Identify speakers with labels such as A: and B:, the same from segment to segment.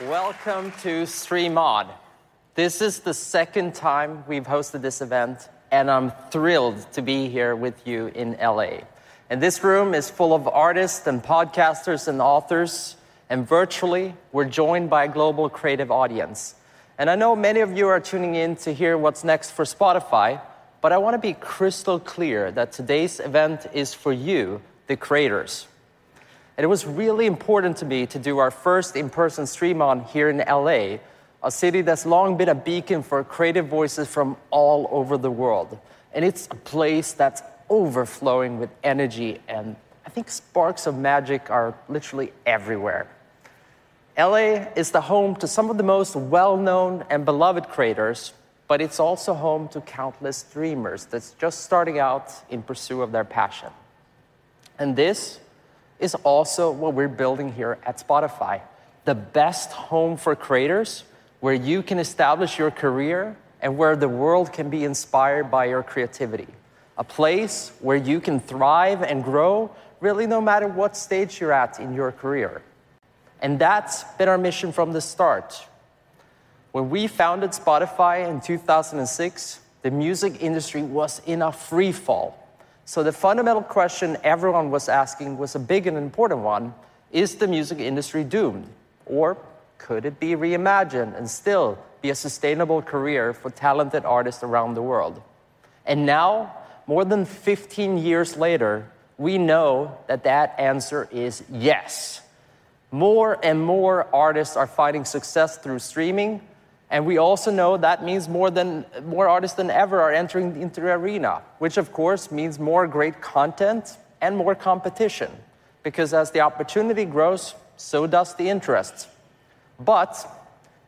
A: Welcome to Stream On. This is the second time we've hosted this event, and I'm thrilled to be here with you in L.A. This room is full of artists and podcasters and authors, and virtually, we're joined by a global creative audience. I know many of you are tuning in to hear what's next for Spotify, but I want to be crystal clear that today's event is for you, the creators. It was really important to me to do our first in-person Stream On here in L.A., a city that's long been a beacon for creative voices from all over the world. It's a place that's overflowing with energy, and I think sparks of magic are literally everywhere. L.A. is the home to some of the most well-known and beloved creators, but it's also home to countless dreamers that's just starting out in pursuit of their passion. This is also what we're building here at Spotify, the best home for creators, where you can establish your career and where the world can be inspired by your creativity. A place where you can thrive and grow, really no matter what stage you're at in your career. That's been our mission from the start. When we founded Spotify in 2006, the music industry was in a free fall. The fundamental question everyone was asking was a big and important one, "Is the music industry doomed? Or could it be reimagined and still be a sustainable career for talented artists around the world?" Now, more than 15 years later, we know that that answer is yes. More and more artists are finding success through streaming, we also know that means more artists than ever are entering into the arena, which of course means more great content and more competition, because as the opportunity grows, so does the interest.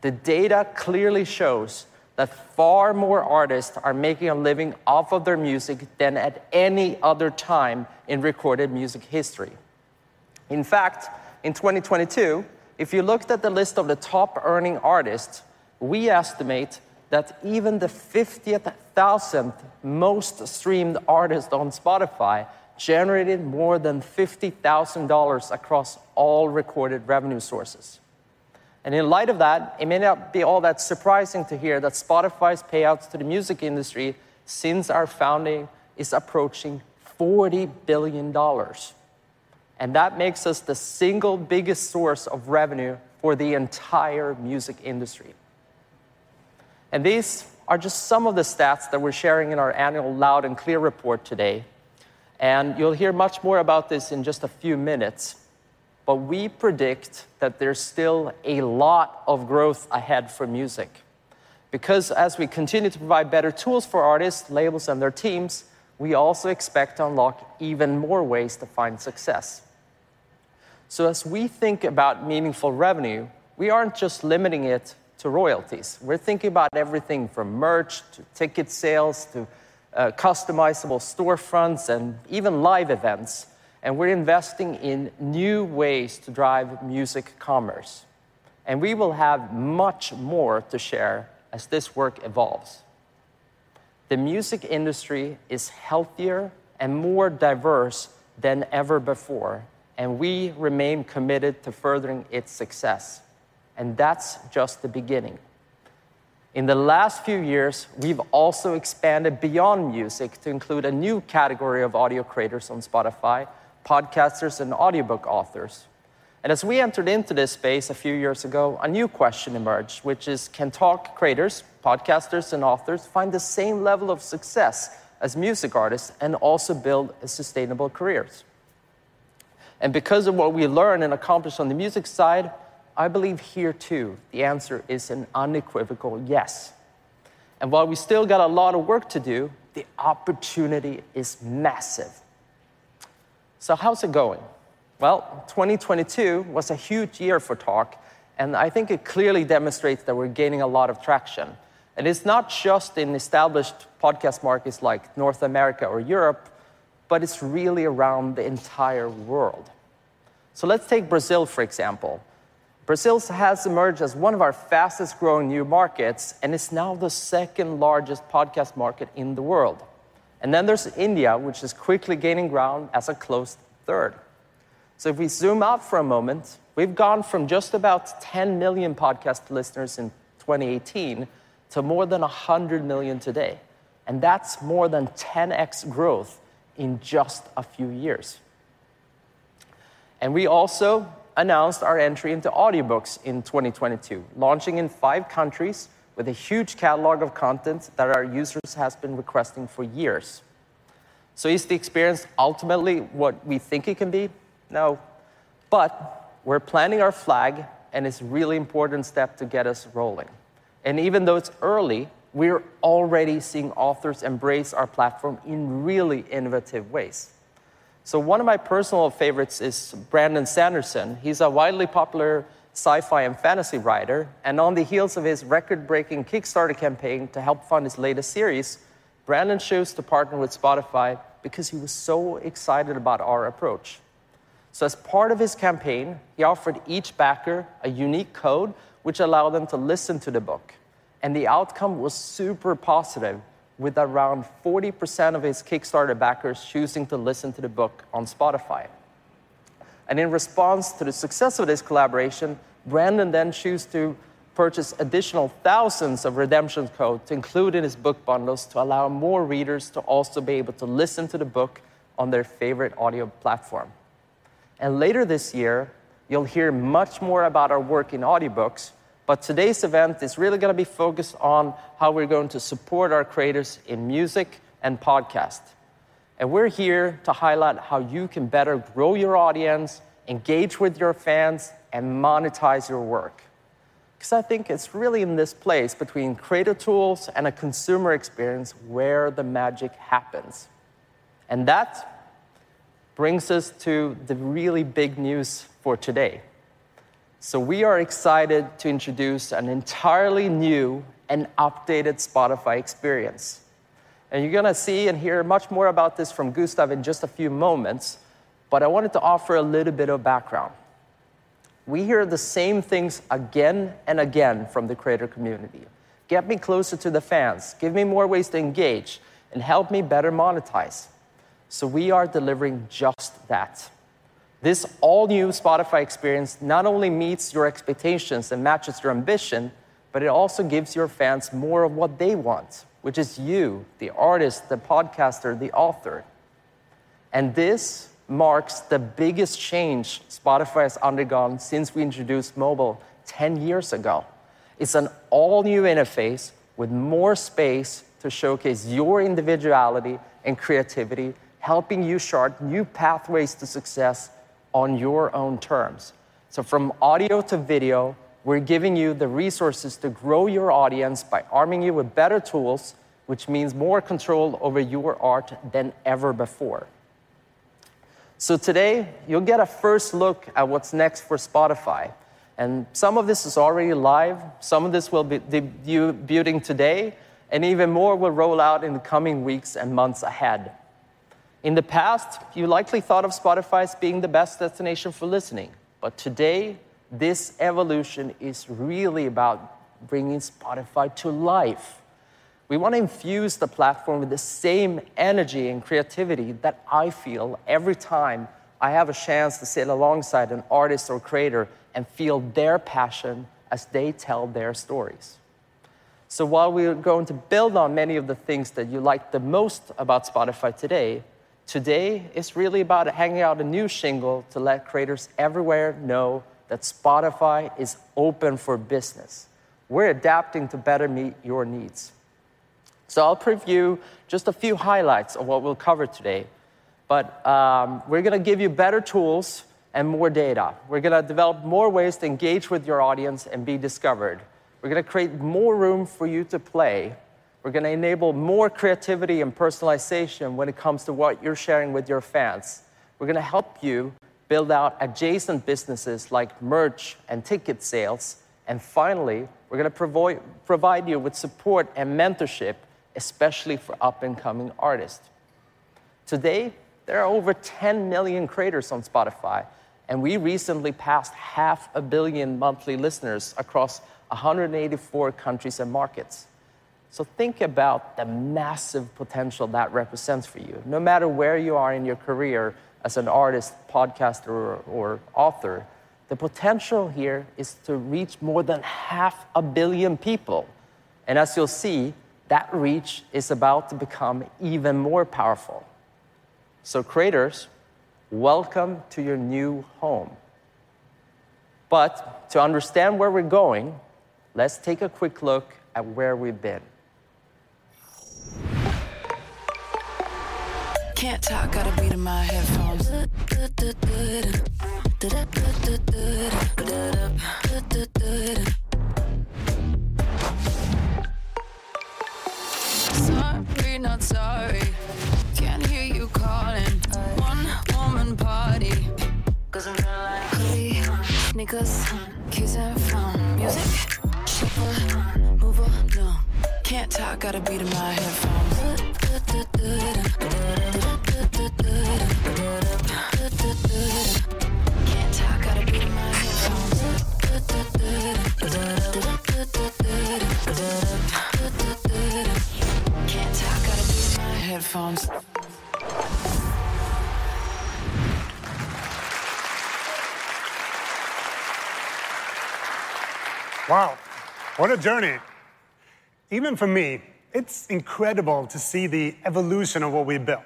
A: The data clearly shows that far more artists are making a living off of their music than at any other time in recorded music history. In fact, in 2022, if you looked at the list of the top-earning artists, we estimate that even the 50,000th most-streamed artist on Spotify generated more than $50,000 across all recorded revenue sources. In light of that, it may not be all that surprising to hear that Spotify's payouts to the music industry since our founding is approaching $40 billion. That makes us the single biggest source of revenue for the entire music industry. These are just some of the stats that we're sharing in our annual Loud & Clear report today, and you'll hear much more about this in just a few minutes, but we predict that there's still a lot of growth ahead for music. As we continue to provide better tools for artists, labels, and their teams, we also expect to unlock even more ways to find success. As we think about meaningful revenue, we aren't just limiting it to royalties. We're thinking about everything from merch to ticket sales to customizable storefronts and even live events, and we're investing in new ways to drive music commerce. We will have much more to share as this work evolves. The music industry is healthier and more diverse than ever before, we remain committed to furthering its success, and that's just the beginning. In the last few years, we've also expanded beyond music to include a new category of audio creators on Spotify, podcasters and audiobook authors. As we entered into this space a few years ago, a new question emerged, which is, "Can Talk creators, podcasters, and authors find the same level of success as music artists and also build sustainable careers?" Because of what we learned and accomplished on the music side, I believe here, too, the answer is an unequivocal yes. While we still got a lot of work to do, the opportunity is massive. How's it going? Well, 2022 was a huge year for Talk, and I think it clearly demonstrates that we're gaining a lot of traction. It's not just in established podcast markets like North America or Europe, it's really around the entire world. Let's take Brazil, for example. Brazil has emerged as one of our fastest-growing new markets, and it's now the second-largest podcast market in the world. There's India, which is quickly gaining ground as a close third. If we zoom out for a moment, we've gone from just about 10 million podcast listeners in 2018 to more than 100 million today, and that's more than 10x growth in just a few years. We also announced our entry into audiobooks in 2022, launching in five countries with a huge catalog of content that our users has been requesting for years. Is the experience ultimately what we think it can be? No. We're planting our flag, and it's a really important step to get us rolling. Even though it's early, we're already seeing authors embrace our platform in really innovative ways. One of my personal favorites is Brandon Sanderson. He's a widely popular sci-fi and fantasy writer, and on the heels of his record-breaking Kickstarter campaign to help fund his latest series, Brandon chose to partner with Spotify because he was so excited about our approach. As part of his campaign, he offered each backer a unique code which allowed them to listen to the book. The outcome was super positive, with around 40% of his Kickstarter backers choosing to listen to the book on Spotify. In response to the success of this collaboration, Brandon then chose to purchase additional thousands of redemption codes to include in his book bundles to allow more readers to also be able to listen to the book on their favorite audio platform. Later this year, you'll hear much more about our work in audiobooks, but today's event is really going to be focused on how we're going to support our creators in music and podcast. We're here to highlight how you can better grow your audience, engage with your fans, and monetize your work because I think it's really in this place between creator tools and a consumer experience where the magic happens. That brings us to the really big news for today. We are excited to introduce an entirely new and updated Spotify experience. You're going to see and hear much more about this from Gustav in just a few moments. I wanted to offer a little bit of background. We hear the same things again and again from the creator community: "Get me closer to the fans, give me more ways to engage, and help me better monetize." We are delivering just that. This all-new Spotify experience not only meets your expectations and matches your ambition, it also gives your fans more of what they want, which is you, the artist, the podcaster, the author. This marks the biggest change Spotify has undergone since we introduced mobile 10 years ago. It's an all-new interface with more space to showcase your individuality and creativity, helping you chart new pathways to success on your own terms. From audio to video, we're giving you the resources to grow your audience by arming you with better tools, which means more control over your art than ever before. Today, you'll get a first look at what's next for Spotify, and some of this is already live, some of this will be debuting today, and even more will roll out in the coming weeks and months ahead. In the past, you likely thought of Spotify as being the best destination for listening. Today, this evolution is really about bringing Spotify to life. We want to infuse the platform with the same energy and creativity that I feel every time I have a chance to sit alongside an artist or creator and feel their passion as they tell their stories. While we're going to build on many of the things that you like the most about Spotify today is really about hanging out a new shingle to let creators everywhere know that Spotify is open for business. We're adapting to better meet your needs. I'll preview just a few highlights of what we'll cover today. We're going to give you better tools and more data. We're going to develop more ways to engage with your audience and be discovered. We're going to create more room for you to play. We're going to enable more creativity and personalization when it comes to what you're sharing with your fans. We're going to help you build out adjacent businesses like merch and ticket sales. Finally, we're going to provide you with support and mentorship, especially for up-and-coming artists. Today, there are over 10 million creators on Spotify, and we recently passed half a billion monthly listeners across 184 countries and markets. Think about the massive potential that represents for you. No matter where you are in your career as an artist, podcaster, or author, the potential here is to reach more than half a billion people. As you'll see, that reach is about to become even more powerful. Creators, welcome to your new home. To understand where we're going, let's take a quick look at where we've been.
B: Wow, what a journey. Even for me, it's incredible to see the evolution of what we built.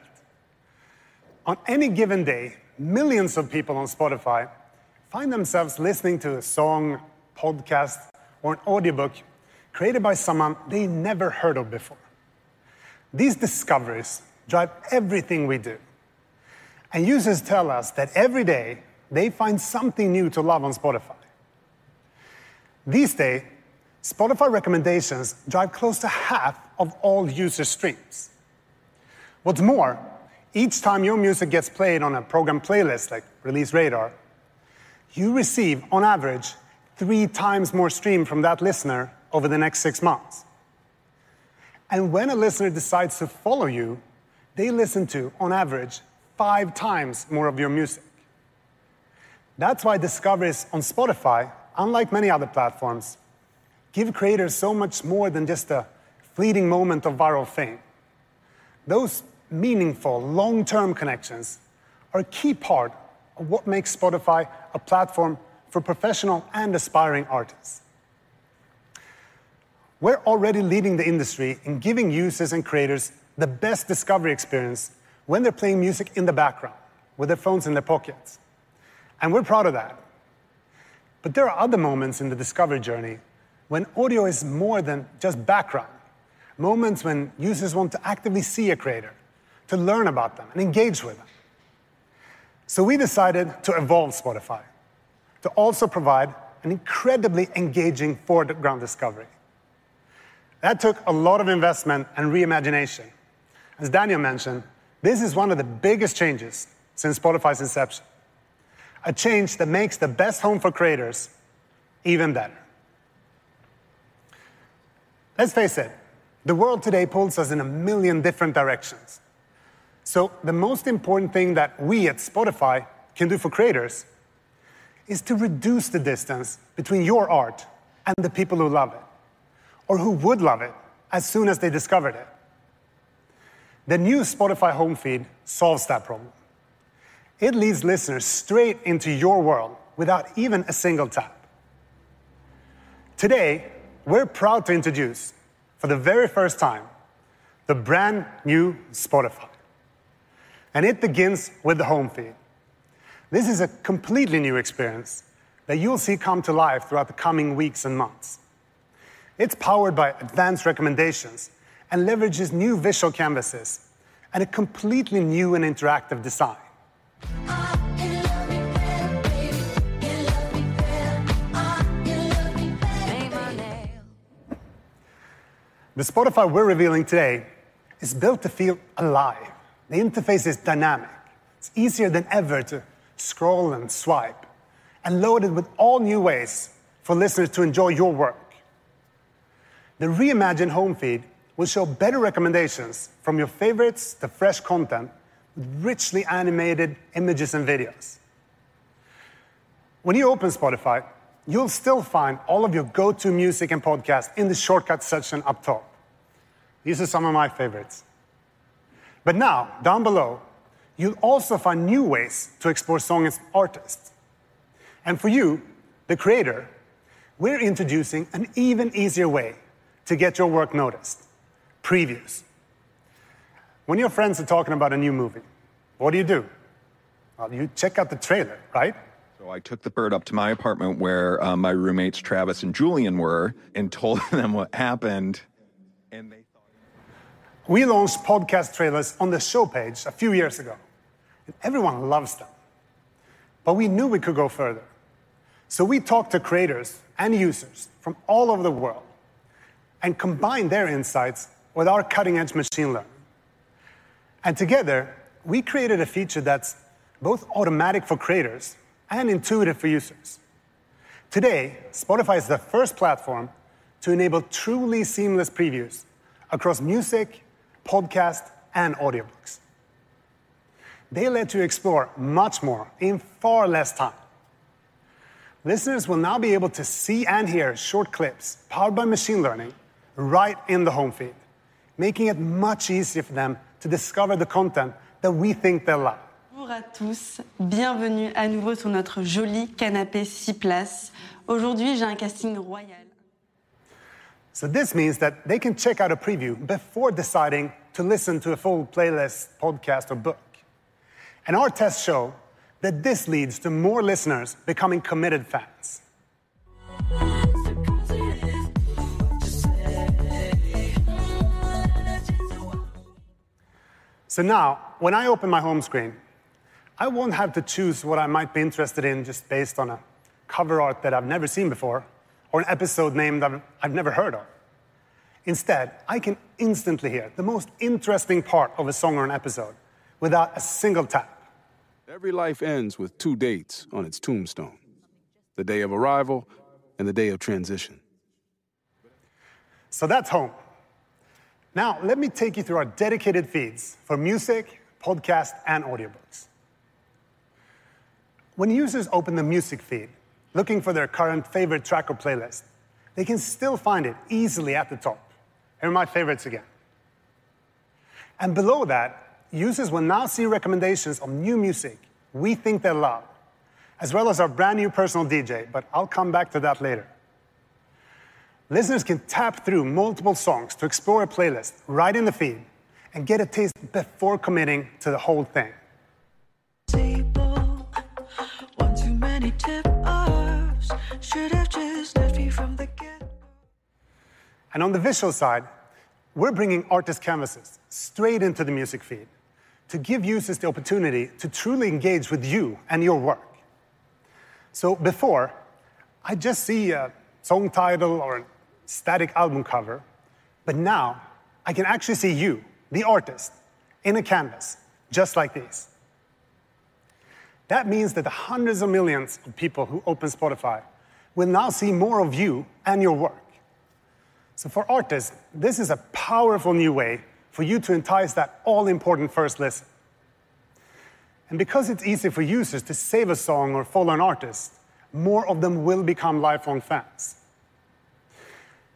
B: On any given day, millions of people on Spotify find themselves listening to a song, podcast, or an audiobook created by someone they never heard of before. These discoveries drive everything we do. Users tell us that every day they find something new to love on Spotify. This day, Spotify recommendations drive close to half of all user streams. What's more, each time your music gets played on a program playlist like Release Radar, you receive on average three times more stream from that listener over the next six months. When a listener decides to follow you, they listen to on average five times more of your music. That's why discoveries on Spotify, unlike many other platforms, give creators so much more than just a fleeting moment of viral fame. Those meaningful long-term connections are a key part of what makes Spotify a platform for professional and aspiring artists. We're already leading the industry in giving users and creators the best discovery experience when they're playing music in the background with their phones in their pockets, and we're proud of that. There are other moments in the discovery journey when audio is more than just background, moments when users want to actively see a creator, to learn about them, and engage with them. We decided to evolve Spotify to also provide an incredibly engaging foreground discovery. That took a lot of investment and reimagination. As Daniel mentioned, this is one of the biggest changes since Spotify's inception, a change that makes the best home for creators even better. Let's face it, the world today pulls us in 1 million different directions. The most important thing that we at Spotify can do for creators is to reduce the distance between your art and the people who love it, or who would love it as soon as they discovered it. The new Spotify home feed solves that problem. It leads listeners straight into your world without even a single tap. Today, we're proud to introduce for the very first time, the brand new Spotify, and it begins with the home feed. This is a completely new experience that you'll see come to life throughout the coming weeks and months. It's powered by advanced recommendations and leverages new visual canvases and a completely new and interactive design. The Spotify we're revealing today is built to feel alive. The interface is dynamic. It's easier than ever to scroll and swipe and loaded with all new ways for listeners to enjoy your work. The reimagined home feed will show better recommendations from your favorites to fresh content, richly animated images and videos. When you open Spotify, you'll still find all of your go-to music and podcasts in the shortcuts section up top. These are some of my favorites. Now, down below, you'll also find new ways to explore songs and artists. For you, the creator, we're introducing an even easier way to get your work noticed, previews. When your friends are talking about a new movie, what do you do? Well, you check out the trailer, right? We launched podcast trailers on the show page a few years ago, and everyone loves them, but we knew we could go further. We talked to creators and users from all over the world and combined their insights with our cutting-edge machine learning. Together we created a feature that's both automatic for creators and intuitive for users. Today, Spotify is the first platform to enable truly seamless previews across music, podcast, and audiobooks. They let you explore much more in far less time. Listeners will now be able to see and hear short clips powered by machine learning right in the home feed, making it much easier for them to discover the content that we think they'll love. This means that they can check out a preview before deciding to listen to a full playlist, podcast, or book. Our tests show that this leads to more listeners becoming committed fans. Now, when I open my home screen, I won't have to choose what I might be interested in just based on a cover art that I've never seen before or an episode name that I've never heard of. Instead, I can instantly hear the most interesting part of a song or an episode without a single tap. That's home. Now, let me take you through our dedicated feeds for music, podcast, and audiobooks. When users open the music feed looking for their current favorite track or playlist, they can still find it easily at the top. Here are my favorites again. Below that, users will now see recommendations of new music we think they'll love, as well as our brand-new personal DJ, but I'll come back to that later. Listeners can tap through multiple songs to explore a playlist right in the feed and get a taste before committing to the whole thing. On the visual side, we're bringing artist canvases straight into the music feed to give users the opportunity to truly engage with you and your work. Before I'd just see a song title or a static album cover, but now I can actually see you, the artist, in a canvas just like this. That means that the hundreds of millions of people who open Spotify will now see more of you and your work. For artists, this is a powerful new way for you to entice that all-important first listen. Because it's easy for users to save a song or follow an artist, more of them will become lifelong fans.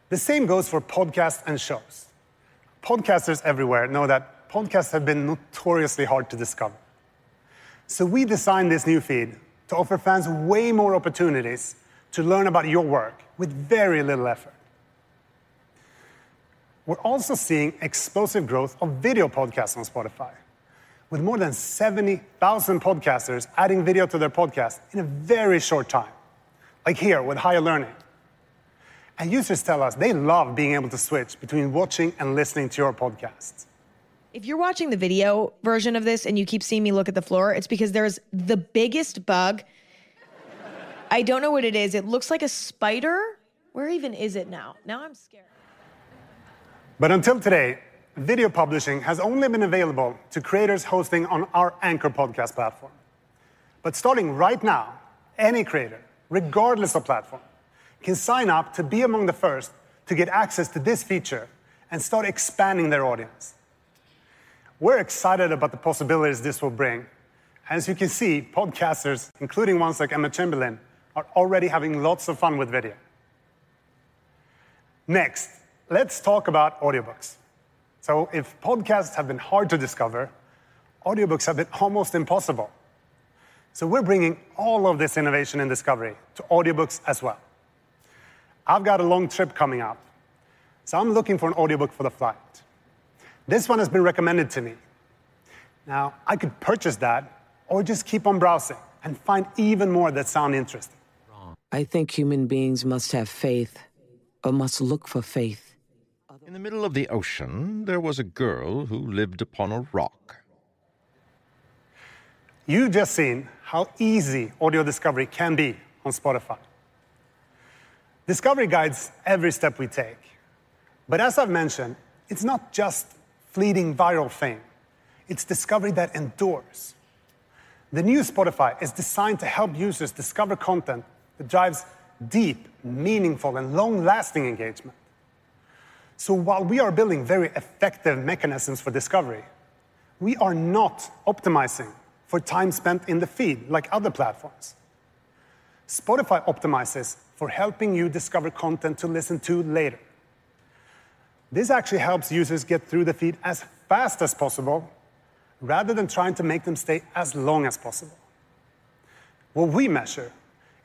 B: The same goes for podcasts and shows. Podcasters everywhere know that podcasts have been notoriously hard to discover. We designed this new feed to offer fans way more opportunities to learn about your work with very little effort. We're also seeing explosive growth of video podcasts on Spotify, with more than 70,000 podcasters adding video to their podcast in a very short time, like here with Higher Learning. Users tell us they love being able to switch between watching and listening to your podcasts. Until today, video publishing has only been available to creators hosting on our Anchor podcast platform. Starting right now, any creator, regardless of platform, can sign up to be among the first to get access to this feature and start expanding their audience. We're excited about the possibilities this will bring. As you can see, podcasters, including ones like Emma Chamberlain, are already having lots of fun with video. Next, let's talk about audiobooks. If podcasts have been hard to discover, audiobooks have been almost impossible. We're bringing all of this innovation and discovery to audiobooks as well. I've got a long trip coming up, so I'm looking for an audiobook for the flight. This one has been recommended to me. Now, I could purchase that or just keep on browsing and find even more that sound interesting. You've just seen how easy audio discovery can be on Spotify. Discovery guides every step we take. As I've mentioned, it's not just fleeting viral fame. It's discovery that endures. The new Spotify is designed to help users discover content that drives deep, meaningful, and long-lasting engagement. While we are building very effective mechanisms for discovery, we are not optimizing for time spent in the feed like other platforms. Spotify optimizes for helping you discover content to listen to later. This actually helps users get through the feed as fast as possible rather than trying to make them stay as long as possible. What we measure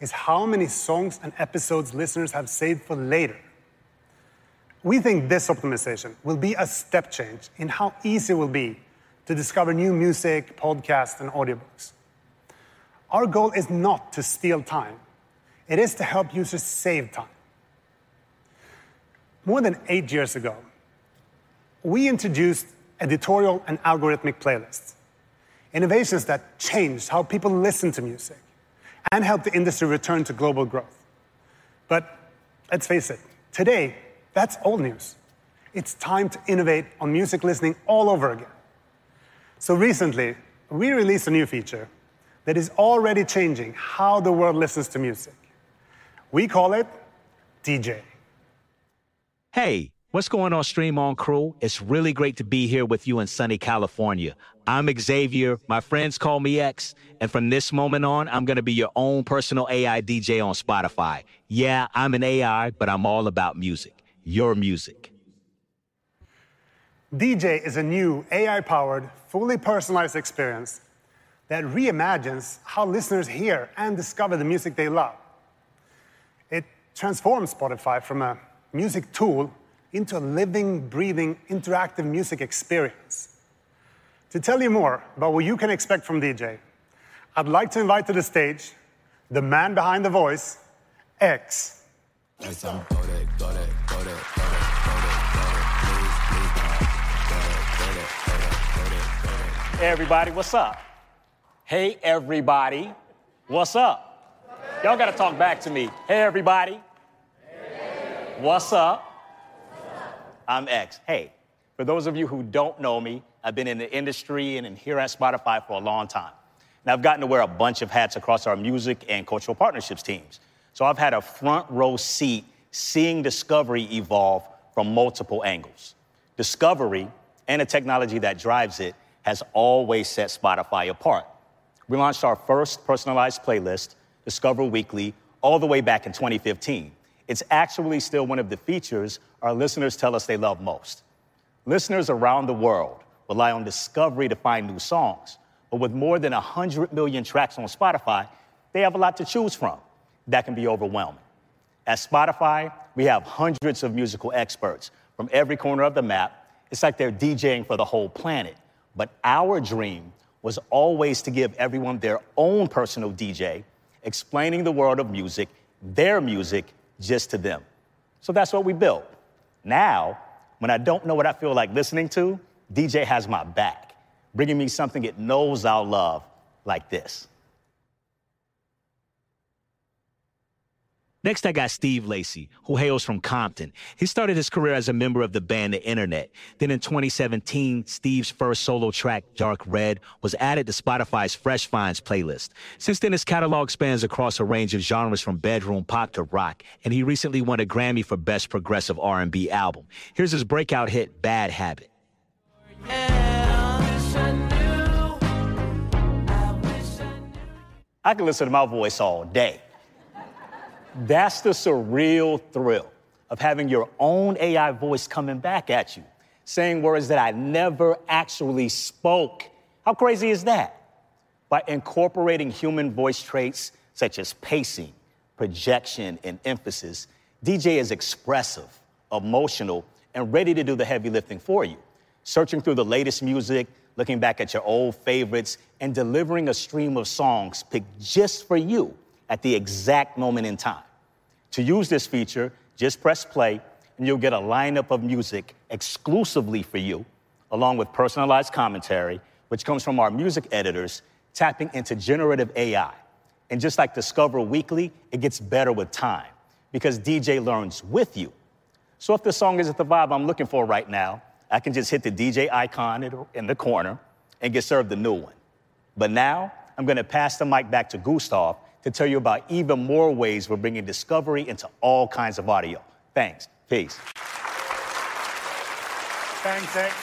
B: is how many songs and episodes listeners have saved for later. We think this optimization will be a step change in how easy it will be to discover new music, podcasts, and audiobooks. Our goal is not to steal time. It is to help users save time. More than eight years ago, we introduced editorial and algorithmic playlists, innovations that changed how people listen to music and helped the industry return to global growth. Let's face it, today, that's old news. It's time to innovate on music listening all over again. Recently, we released a new feature that is already changing how the world listens to music. We call it DJ.
C: Hey, what's going on Stream On crew? It's really great to be here with you in sunny California. I'm Xavier. My friends call me X. From this moment on, I'm going to be your own personal AI DJ on Spotify. Yes, I'm an AI, but I'm all about music, your music.
B: DJ is a new AI-powered, fully personalized experience that reimagines how listeners hear and discover the music they love. It transforms Spotify from a music tool into a living, breathing, interactive music experience. To tell you more about what you can expect from DJ, I'd like to invite to the stage the man behind the voice, X.
C: Hey, everybody, what's up? Y'all got to talk back to me. Hey, everybody. What's up? I'm X. Hey, for those of you who don't know me, I've been in the industry and here at Spotify for a long time. I've gotten to wear a bunch of hats across our music and cultural partnerships teams. I've had a front row seat seeing discovery evolve from multiple angles. Discovery and the technology that drives it has always set Spotify apart. We launched our first personalized playlist, Discover Weekly, all the way back in 2015. It's actually still one of the features our listeners tell us they love most. Listeners around the world rely on discovery to find new songs. With more than 100 million tracks on Spotify, they have a lot to choose from. That can be overwhelming. At Spotify, we have hundreds of musical experts from every corner of the map. It's like they're DJing for the whole planet. Our dream was always to give everyone their own personal DJ, explaining the world of music, their music, just to them. That's what we built. Now, when I don't know what I feel like listening to, DJ has my back, bringing me something it knows I'll love like thisNext, I got Steve Lacy, who hails from Compton. He started his career as a member of the band, The Internet. In 2017, Steve's first solo track, Dark Red, was added to Spotify's Fresh Finds playlist. Since then, his catalog spans across a range of genres from bedroom pop to rock, and he recently won a Grammy for Best Progressive R&B Album. Here's his breakout hit, Bad Habit. I could listen to my voice all day. That's the surreal thrill of having your own AI voice coming back at you, saying words that I never actually spoke. How crazy is that? By incorporating human voice traits such as pacing, projection, and emphasis, DJ is expressive, emotional, and ready to do the heavy lifting for you, searching through the latest music, looking back at your old favorites, and delivering a stream of songs picked just for you at the exact moment in time. To use this feature, just press play and you'll get a lineup of music exclusively for you, along with personalized commentary, which comes from our music editors tapping into generative AI. Just like Discover Weekly, it gets better with time because DJ learns with you. If the song isn't the vibe I'm looking for right now, I can just hit the DJ icon in the corner and get served a new one. Now, I'm going to pass the mic back to Gustav to tell you about even more ways we're bringing discovery into all kinds of audio. Thanks. Peace.
B: Thanks, X.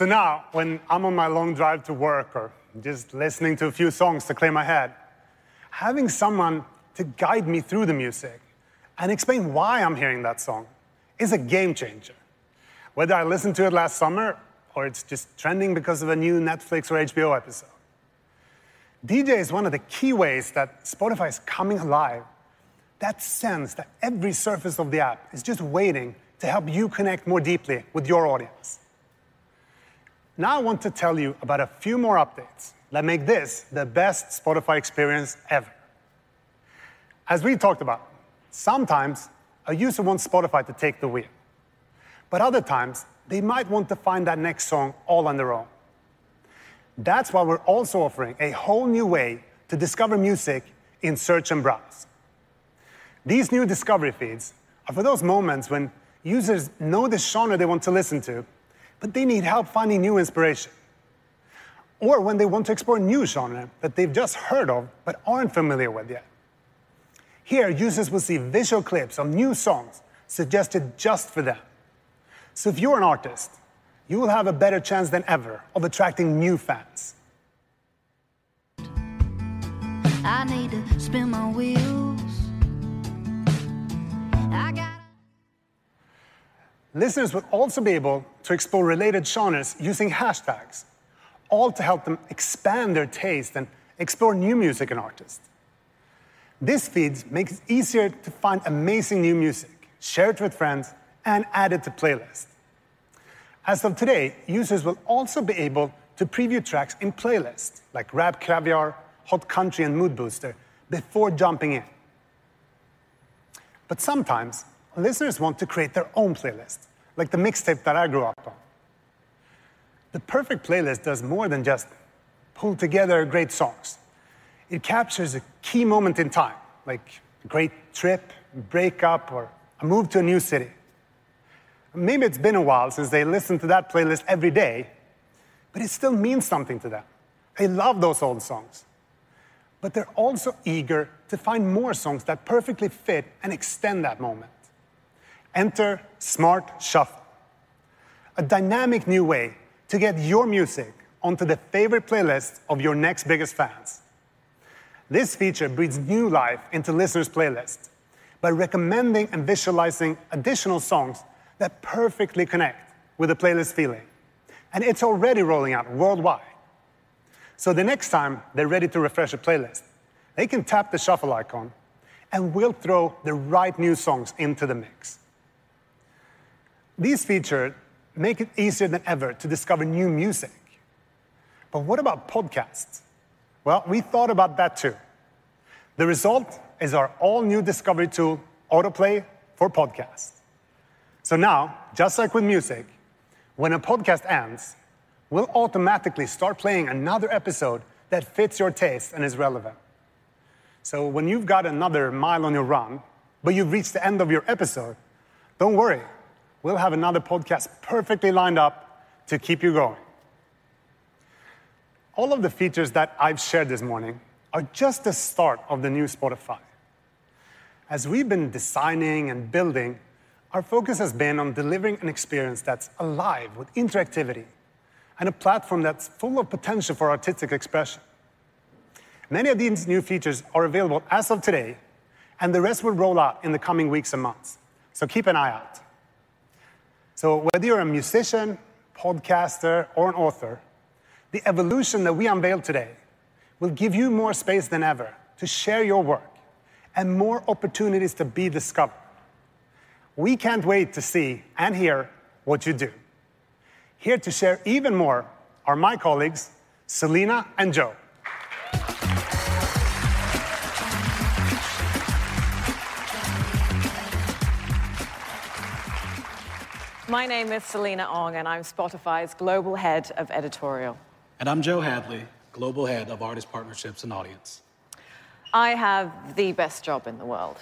B: Now, when I'm on my long drive to work or just listening to a few songs to clear my head, having someone to guide me through the music and explain why I'm hearing that song is a game changer. Whether I listened to it last summer or it's just trending because of a new Netflix or HBO episode. DJ is one of the key ways that Spotify's coming alive, that sense that every surface of the app is just waiting to help you connect more deeply with your audience. Now, I want to tell you about a few more updates that make this the best Spotify experience ever. As we talked about, sometimes a user wants Spotify to take the wheel, but other times, they might want to find that next song all on their own. That's why we're also offering a whole new way to discover music in search and browse. These new discovery feeds are for those moments when users know the genre they want to listen to, but they need help finding new inspiration, or when they want to explore a new genre that they've just heard of but aren't familiar with yet. Here, users will see visual clips of new songs suggested just for them. If you're an artist, you will have a better chance than ever of attracting new fans. Listeners will also be able to explore related genres using hashtags, all to help them expand their taste and explore new music and artists. These feeds makes it easier to find amazing new music, share it with friends, and add it to playlists. As of today, users will also be able to preview tracks in playlists, like RapCaviar, Hot Country, and Mood Booster, before jumping in. Sometimes listeners want to create their own playlist, like the mixtape that I grew up on. The perfect playlist does more than just pull together great songs. It captures a key moment in time, like a great trip, a breakup, or a move to a new city. Maybe it's been a while since they listened to that playlist every day, but it still means something to them. They love those old songs, but they're also eager to find more songs that perfectly fit and extend that moment. Enter Smart Shuffle, a dynamic new way to get your music onto the favorite playlist of your next biggest fans. This feature breathes new life into listeners' playlists by recommending and visualizing additional songs that perfectly connect with a playlist feeling, and it's already rolling out worldwide. The next time they're ready to refresh a playlist, they can tap the shuffle icon and we'll throw the right new songs into the mix. These feature make it easier than ever to discover new music. What about podcasts? We thought about that too. The result is our all-new discovery tool, Autoplay for podcasts. Now, just like with music, when a podcast ends, we'll automatically start playing another episode that fits your taste and is relevant. When you've got another mile on your run, but you've reached the end of your episode, don't worry, we'll have another podcast perfectly lined up to keep you going. All of the features that I've shared this morning are just the start of the new Spotify. As we've been designing and building, our focus has been on delivering an experience that's alive with interactivity and a platform that's full of potential for artistic expression. Many of these new features are available as of today, and the rest will roll out in the coming weeks and months. Keep an eye out. Whether you're a musician, podcaster, or an author, the evolution that we unveiled today will give you more space than ever to share your work and more opportunities to be discovered. We can't wait to see and hear what you do. Here to share even more are my colleagues, Sulinna and Joe.
D: My name is Sulinna Ong, and I'm Spotify's Global Head of Editorial.
E: I'm Joe Hadley, Global Head of Artist Partnerships and Audience.
D: I have the best job in the world.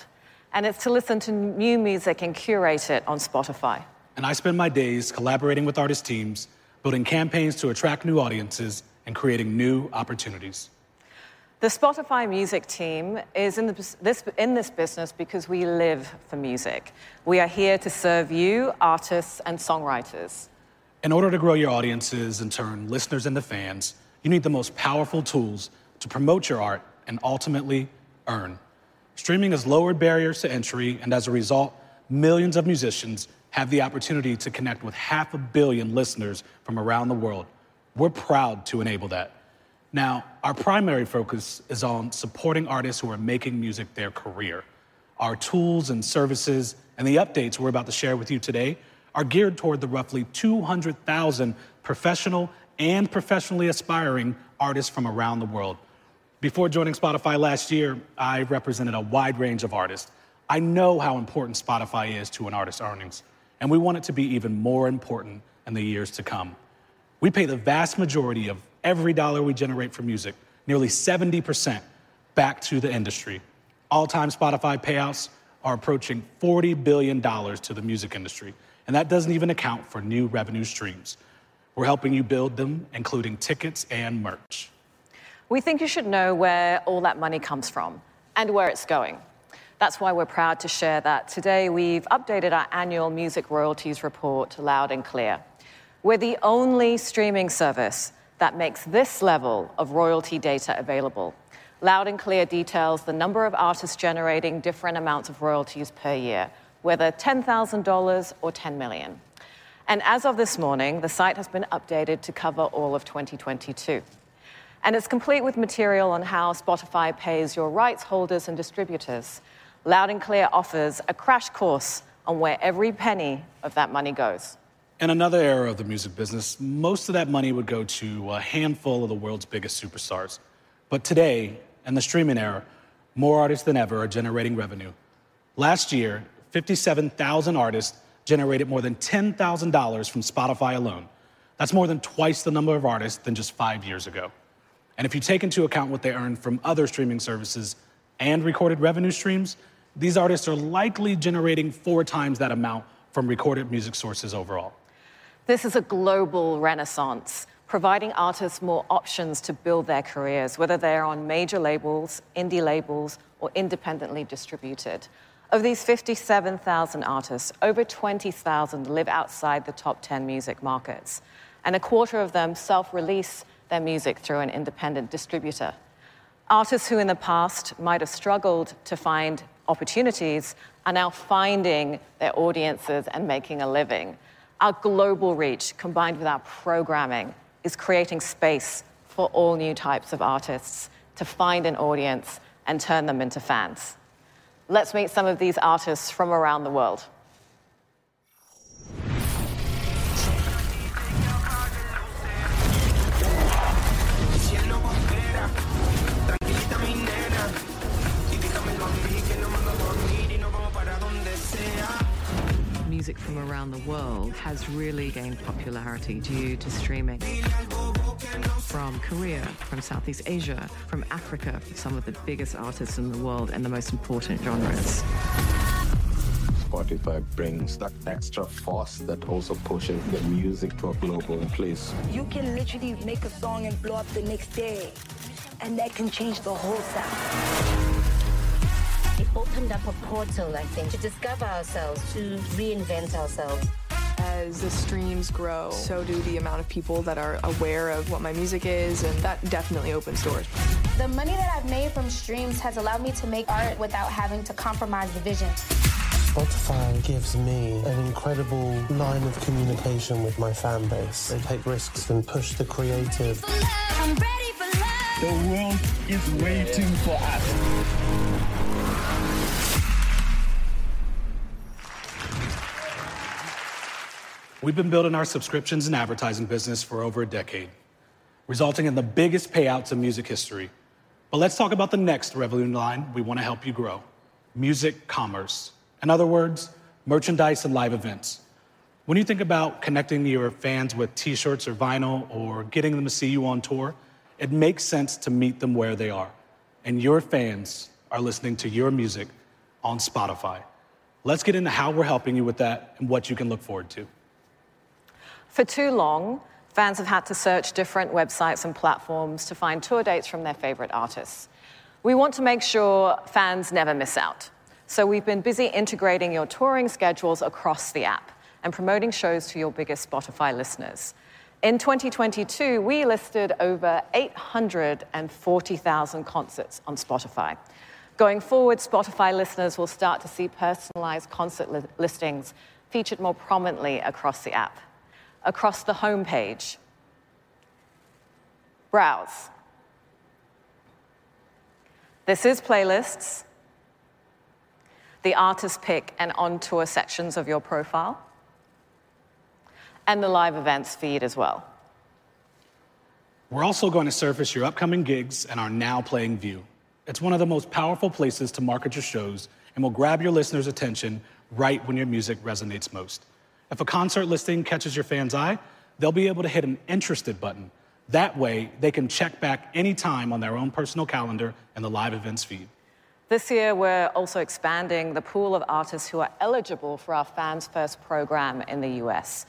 D: It's to listen to new music and curate it on Spotify.
E: I spend my days collaborating with artist teams, building campaigns to attract new audiences, and creating new opportunities.
D: The Spotify Music team is in this business because we live for music. We are here to serve you, artists, and songwriters.
E: In order to grow your audiences and turn listeners into fans, you need the most powerful tools to promote your art and ultimately earn. Streaming has lowered barriers to entry, and as a result, millions of musicians have the opportunity to connect with half a billion listeners from around the world. We're proud to enable that. Now, our primary focus is on supporting artists who are making music their career. Our tools and services, and the updates we're about to share with you today, are geared toward the roughly 200,000 professional and professionally aspiring artists from around the world. Before joining Spotify last year, I represented a wide range of artists. I know how important Spotify is to an artist's earnings, and we want it to be even more important in the years to come. We pay the vast majority of every dollar we generate from music, nearly 70%, back to the industry. All-time Spotify payouts are approaching $40 billion to the music industry, and that doesn't even account for new revenue streams. We're helping you build them, including tickets and merch.
D: We think you should know where all that money comes from and where it's going. That's why we're proud to share that today we've updated our annual Loud & Clear. We're the only streaming service that makes this level of royalty data available. Loud & Clear details the number of artists generating different amounts of royalties per year, whether $10,000 or $10 million. As of this morning, the site has been updated to cover all of 2022. It's complete with material on how Spotify pays your rights holders and distributors. Loud & Clear offers a crash course on where every penny of that money goes.
E: In another era of the music business, most of that money would go to a handful of the world's biggest superstars. Today, in the streaming era, more artists than ever are generating revenue. Last year, 57,000 artists generated more than $10,000 from Spotify alone. That's more than twice the number of artists than just 5 years ago. If you take into account what they earned from other streaming services and recorded revenue streams, these artists are likely generating four times that amount from recorded music sources overall.
D: This is a global renaissance, providing artists more options to build their careers, whether they are on major labels, indie labels, or independently distributed. Of these 57,000 artists, over 20,000 live outside the top 10 music markets, and a quarter of them self-release their music through an independent distributor. Artists who in the past might have struggled to find opportunities are now finding their audiences and making a living. Our global reach, combined with our programming, is creating space for all new types of artists to find an audience and turn them into fans. Let's meet some of these artists from around the world. Music from around the world has really gained popularity due to streaming. From Korea, from Southeast Asia, from Africa, some of the biggest artists in the world and the most important genres.
E: We've been building our subscriptions and advertising business for over a decade, resulting in the biggest payouts in music history. Let's talk about the next revenue line we want to help you grow, music commerce. In other words, merchandise and live events. When you think about connecting your fans with T-shirts or vinyl or getting them to see you on tour, it makes sense to meet them where they are, and your fans are listening to your music on Spotify. Let's get into how we're helping you with that and what you can look forward to.
D: For too long, fans have had to search different websites and platforms to find tour dates from their favorite artists. We want to make sure fans never miss out, so we've been busy integrating your touring schedules across the app and promoting shows to your biggest Spotify listeners. In 2022, we listed over 840,000 concerts on Spotify. Going forward, Spotify listeners will start to see personalized concert listings featured more prominently across the app, across the homepage, browse, This is Playlists, the Artist's Pick and On Tour sections of your profile, and the Live Events feed as well.
E: We're also going to surface your upcoming gigs in our Now Playing view. It's one of the most powerful places to market your shows and will grab your listeners' attention right when your music resonates most. If a concert listing catches your fan's eye, they'll be able to hit an Interested button. That way, they can check back any time on their own personal calendar in the Live Events feed.
D: This year, we're also expanding the pool of artists who are eligible for our Fans First program in the U.S.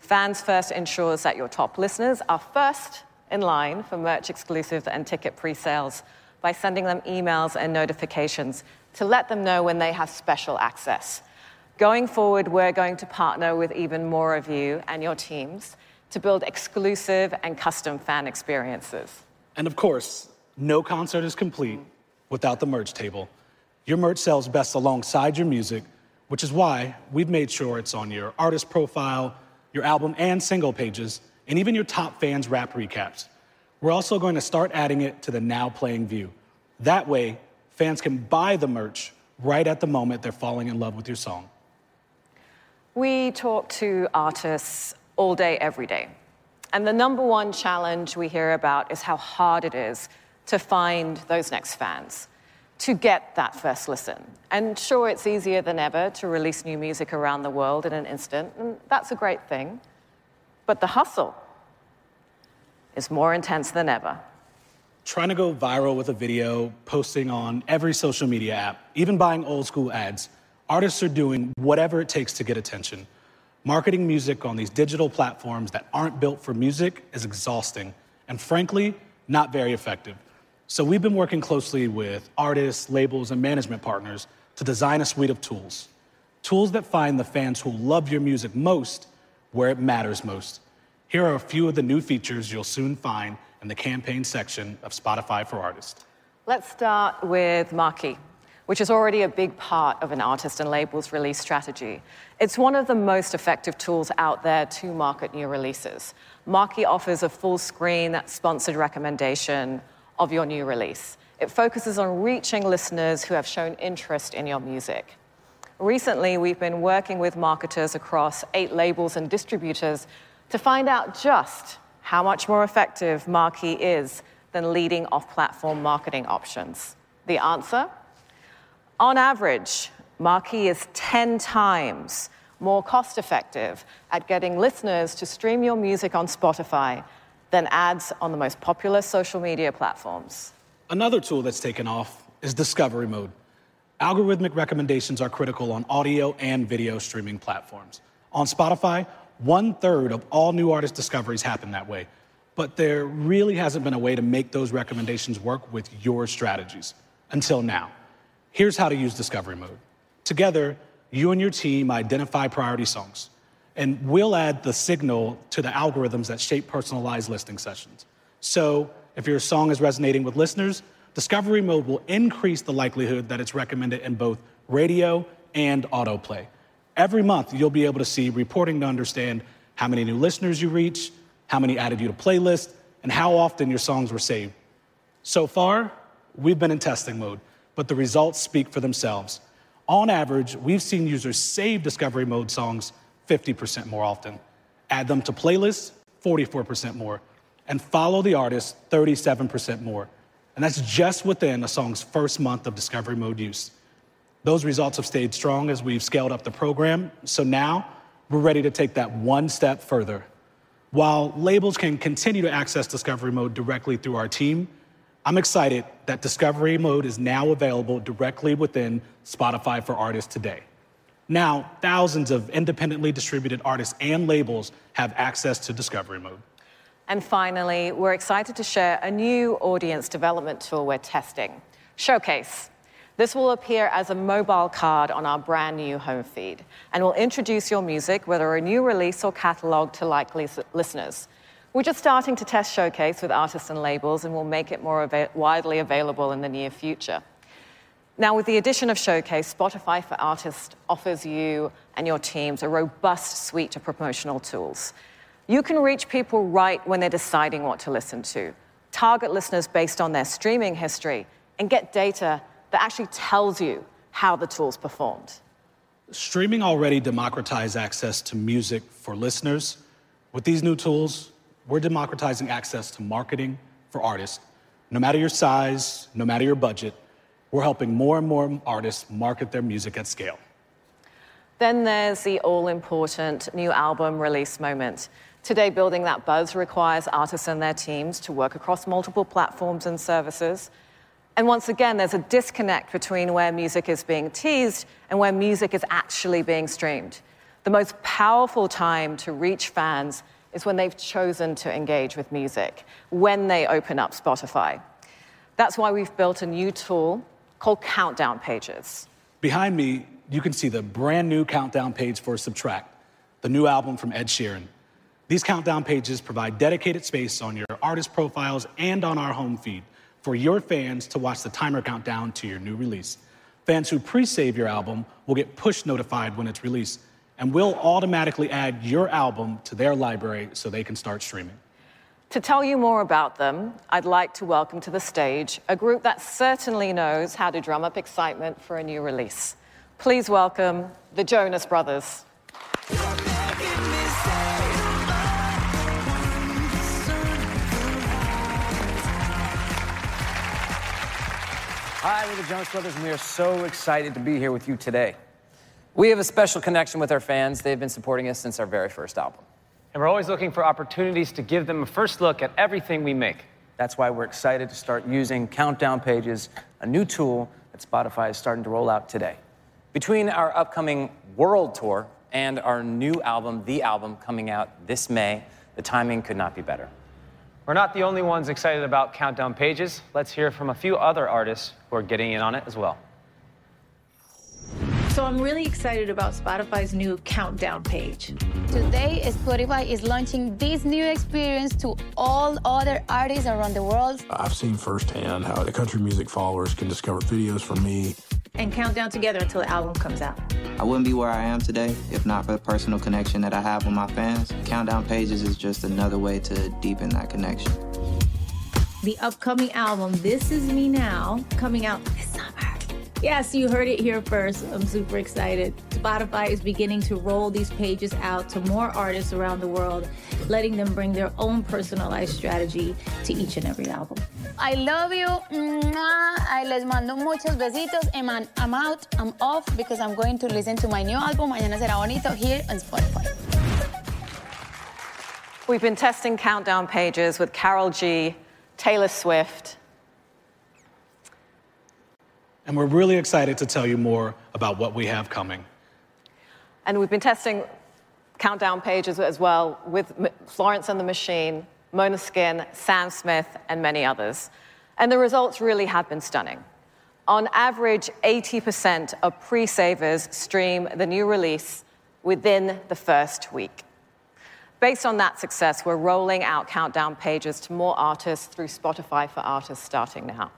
D: Fans First ensures that your top listeners are first in line for merch exclusives and ticket pre-sales by sending them emails and notifications to let them know when they have special access. Going forward, we're going to partner with even more of you and your teams to build exclusive and custom fan experiences.
E: Of course, no concert is complete without the merch table. Your merch sells best alongside your music, which is why we've made sure it's on your artist profile, your album and single pages, and even your top fans' Wrap recaps. We're also going to start adding it to the Now Playing view. That way, fans can buy the merch right at the moment they're falling in love with your song.
D: We talk to artists all day, every day. The number one challenge we hear about is how hard it is to find those next fans, to get that first listen. Sure, it's easier than ever to release new music around the world in an instant, and that's a great thing. The hustle is more intense than ever.
E: Trying to go viral with a video, posting on every social media app, even buying old-school ads, artists are doing whatever it takes to get attention. Marketing music on these digital platforms that aren't built for music is exhausting and, frankly, not very effective. We've been working closely with artists, labels, and management partners to design a suite of tools that find the fans who love your music most where it matters most. Here are a few of the new features you'll soon find in the Campaign section of Spotify for Artists.
D: Let's start with Marquee, which is already a big part of an artist and label's release strategy. It's one of the most effective tools out there to market new releases. Marquee offers a full-screen sponsored recommendation of your new release. It focuses on reaching listeners who have shown interest in your music. Recently, we've been working with marketers across 8 labels and distributors to find out just how much more effective Marquee is than leading off-platform marketing options. The answer? On average, Marquee is 10 times more cost-effective at getting listeners to stream your music on Spotify than ads on the most popular social media platforms.
E: Another tool that's taken off is Discovery Mode. Algorithmic recommendations are critical on audio and video streaming platforms. On Spotify, one-third of all new artist discoveries happen that way, but there really hasn't been a way to make those recommendations work with your strategies, until now. Here's how to use Discovery Mode. Together, you and your team identify priority songs, and we'll add the signal to the algorithms that shape personalized listening sessions. If your song is resonating with listeners, Discovery Mode will increase the likelihood that it's recommended in both Radio and Autoplay. Every month, you'll be able to see reporting to understand how many new listeners you reached, how many added you to a playlist, and how often your songs were saved. Far, we've been in testing mode, but the results speak for themselves. On average, we've seen users save Discovery Mode songs 50% more often, add them to playlists 44% more, and follow the artist 37% more, and that's just within a song's first month of Discovery Mode use. Those results have stayed strong as we've scaled up the program. Now we're ready to take that one step further. While labels can continue to access Discovery Mode directly through our team, I'm excited that Discovery Mode is now available directly within Spotify for Artists today. Now, thousands of independently distributed artists and labels have access to Discovery Mode.
D: Finally, we're excited to share a new audience development tool we're testing, Showcase. This will appear as a mobile card on our brand-new home feed and will introduce your music, whether a new release or catalog, to likely listeners. We're just starting to test Showcase with artists and labels and will make it more widely available in the near future. With the addition of Showcase, Spotify for Artists offers you and your teams a robust suite of promotional tools. You can reach people right when they're deciding what to listen to, target listeners based on their streaming history, and get data that actually tells you how the tools performed.
E: Streaming already democratized access to music for listeners. With these new tools, we're democratizing access to marketing for artists. No matter your size, no matter your budget, we're helping more and more artists market their music at scale.
D: There's the all-important new album release moment. Today, building that buzz requires artists and their teams to work across multiple platforms and services. Once again, there's a disconnect between where music is being teased and where music is actually being streamed. The most powerful time to reach fans is when they've chosen to engage with music, when they open up Spotify. That's why we've built a new tool called Countdown Pages.
E: Behind me, you can see the brand-new Countdown Page for Subtract, the new album from Ed Sheeran. These Countdown Pages provide dedicated space on your artist profiles and on our home feed for your fans to watch the timer count down to your new release. Fans who pre-save your album will get push notified when it's released and will automatically add your album to their library so they can start streaming.
D: To tell you more about them, I'd like to welcome to the stage a group that certainly knows how to drum up excitement for a new release. Please welcome the Jonas Brothers. We've been testing Countdown Pages ith Karol G, Taylor Swift.
E: We're really excited to tell you more about what we have coming.
D: We've been testing Countdown Pages as well with Florence + the Machine, Måneskin, Sam Smith, and many others, and the results really have been stunning. On average, 80% of pre-savers stream the new release within the first week. Based on that success, we're rolling out Countdown Pages to more artists through Spotify for Artists starting now.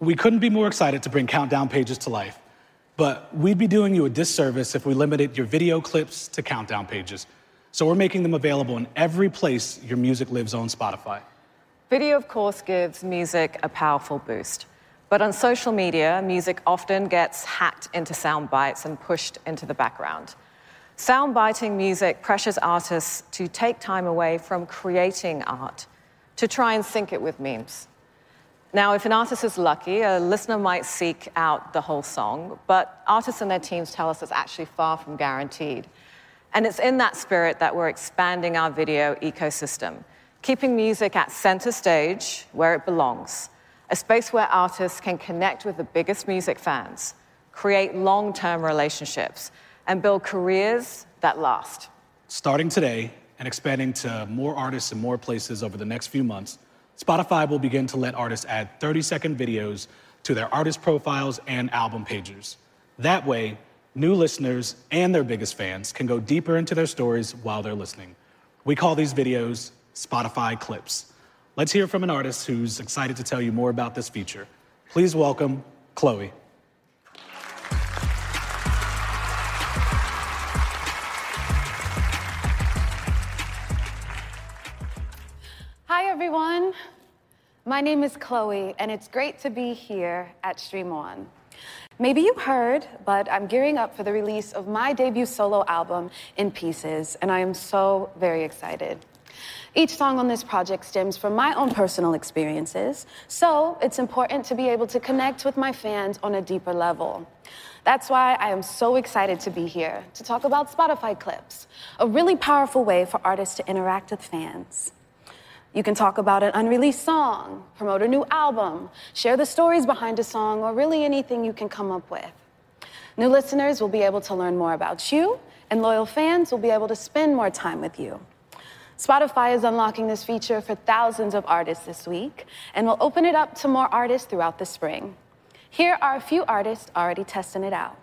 E: We couldn't be more excited to bring Countdown Pages to life. We'd be doing you a disservice if we limited your video clips to Countdown Pages. We're making them available in every place your music lives on Spotify.
D: Video, of course, gives music a powerful boost, but on social media, music often gets hacked into soundbites and pushed into the background. Soundbiting music pressures artists to take time away from creating art to try and sync it with memes. Now, if an artist is lucky, a listener might seek out the whole song, but artists and their teams tell us it's actually far from guaranteed. It's in that spirit that we're expanding our video ecosystem, keeping music at center stage where it belongs, a space where artists can connect with the biggest music fans, create long-term relationships, and build careers that last.
E: Starting today, and expanding to more artists and more places over the next few months, Spotify will begin to let artists add 30-second videos to their artist profiles and album pages. That way, new listeners and their biggest fans can go deeper into their stories while they're listening. We call these videos Spotify Clips. Let's hear from an artist who's excited to tell you more about this feature. Please welcome Chloe.
F: Hi, everyone. My name is Chloe. It's great to be here at Stream On. Maybe you heard, I'm gearing up for the release of my debut solo album, In Pieces. I am so very excited. Each song on this project stems from my own personal experiences. It's important to be able to connect with my fans on a deeper level. That's why I am so excited to be here to talk about Spotify Clips, a really powerful way for artists to interact with fans. You can talk about an unreleased song, promote a new album, share the stories behind a song, or really anything you can come up with. New listeners will be able to learn more about you. Loyal fans will be able to spend more time with you. Spotify is unlocking this feature for thousands of artists this week and will open it up to more artists throughout the spring. Here are a few artists already testing it out.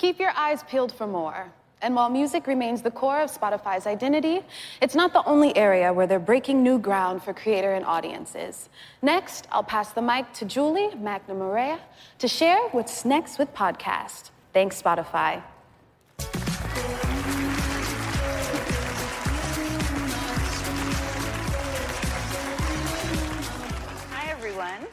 F: Keep your eyes peeled for more. While music remains the core of Spotify's identity, it's not the only area where they're breaking new ground for creator and audiences. Next, I'll pass the mic to Julie McNamara to share what's next with podcast. Thanks, Spotify.
G: Hi, everyone.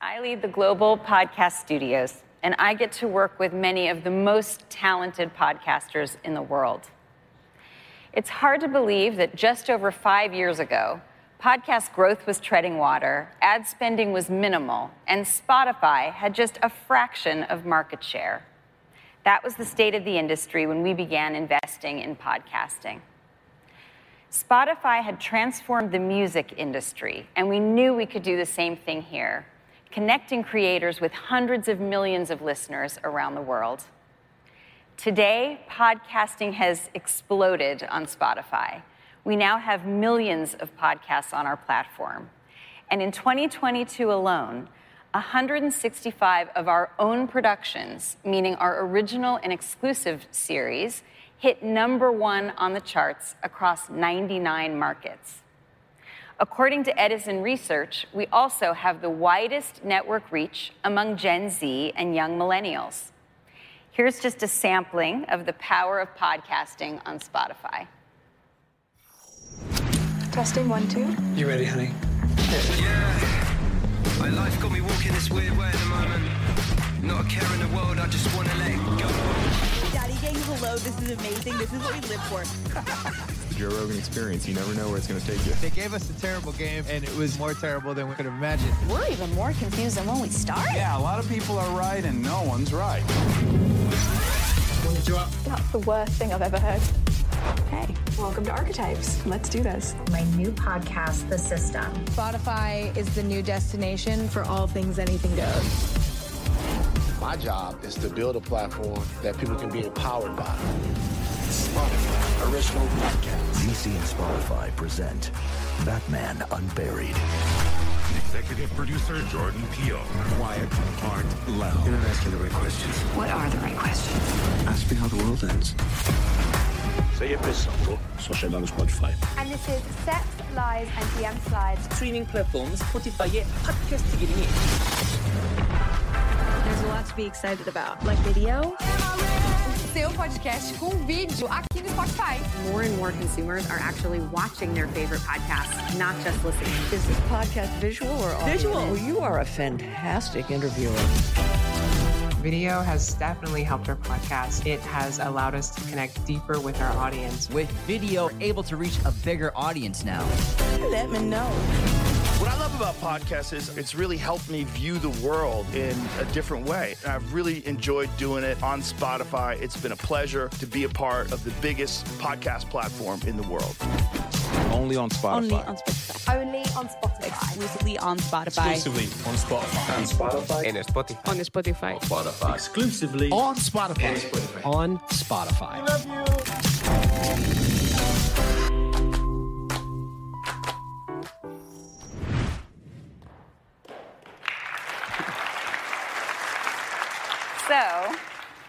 G: I lead the Global Podcast Studios. I get to work with many of the most talented podcasters in the world. It's hard to believe that just over five years ago, podcast growth was treading water, ad spending was minimal, and Spotify had just a fraction of market share. That was the state of the industry when we began investing in podcasting. Spotify had transformed the music industry, and we knew we could do the same thing here, connecting creators with hundreds of millions of listeners around the world. Today, podcasting has exploded on Spotify. We now have millions of podcasts on our platform, and in 2022 alone, 165 of our own productions, meaning our original and exclusive series, hit number one on the charts across 99 markets. According to Edison Research, we also have the widest network reach among Gen Z and young millennials. Here's just a sampling of the power of podcasting on Spotify.
H: What I love about podcasts is it's really helped me view the world in a different way. I've really enjoyed doing it on Spotify. It's been a pleasure to be a part of the biggest podcast platform in the world.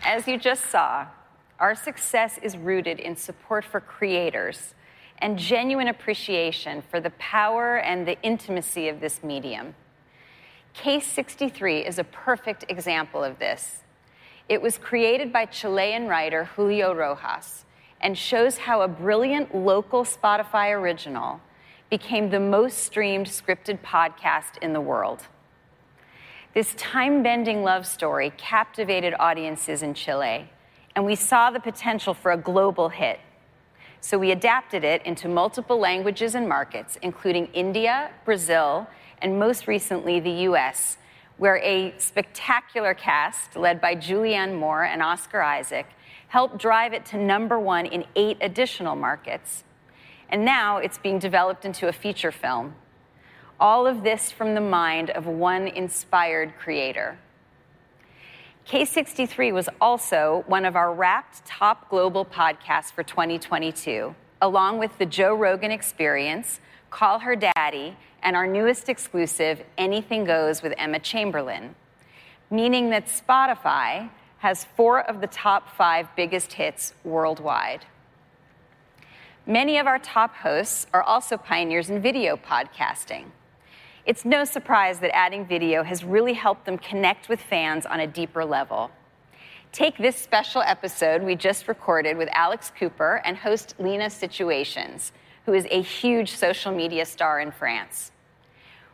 G: As you just saw, our success is rooted in support for creators and genuine appreciation for the power and the intimacy of this medium. Case 63 is a perfect example of this. It was created by Chilean writer Julio Rojas, and shows how a brilliant local Spotify Original became the most streamed scripted podcast in the world. This time-bending love story captivated audiences in Chile, and we saw the potential for a global hit, so we adapted it into multiple languages and markets, including India, Brazil, and most recently, the US, where a spectacular cast, led by Julianne Moore and Oscar Isaac, helped drive it to number one in eight additional markets. Now it's being developed into a feature film. All of this from the mind of one inspired creator. Case 63 was also one of our Wrapped top global podcasts for 2022, along with The Joe Rogan Experience, Call Her Daddy, and our newest exclusive, Anything Goes with Emma Chamberlain, meaning that Spotify has four of the top five biggest hits worldwide. Many of our top hosts are also pioneers in video podcasting. It's no surprise that adding video has really helped them connect with fans on a deeper level. Take this special episode we just recorded with Alex Cooper and host Léna Situations, who is a huge social media star in France.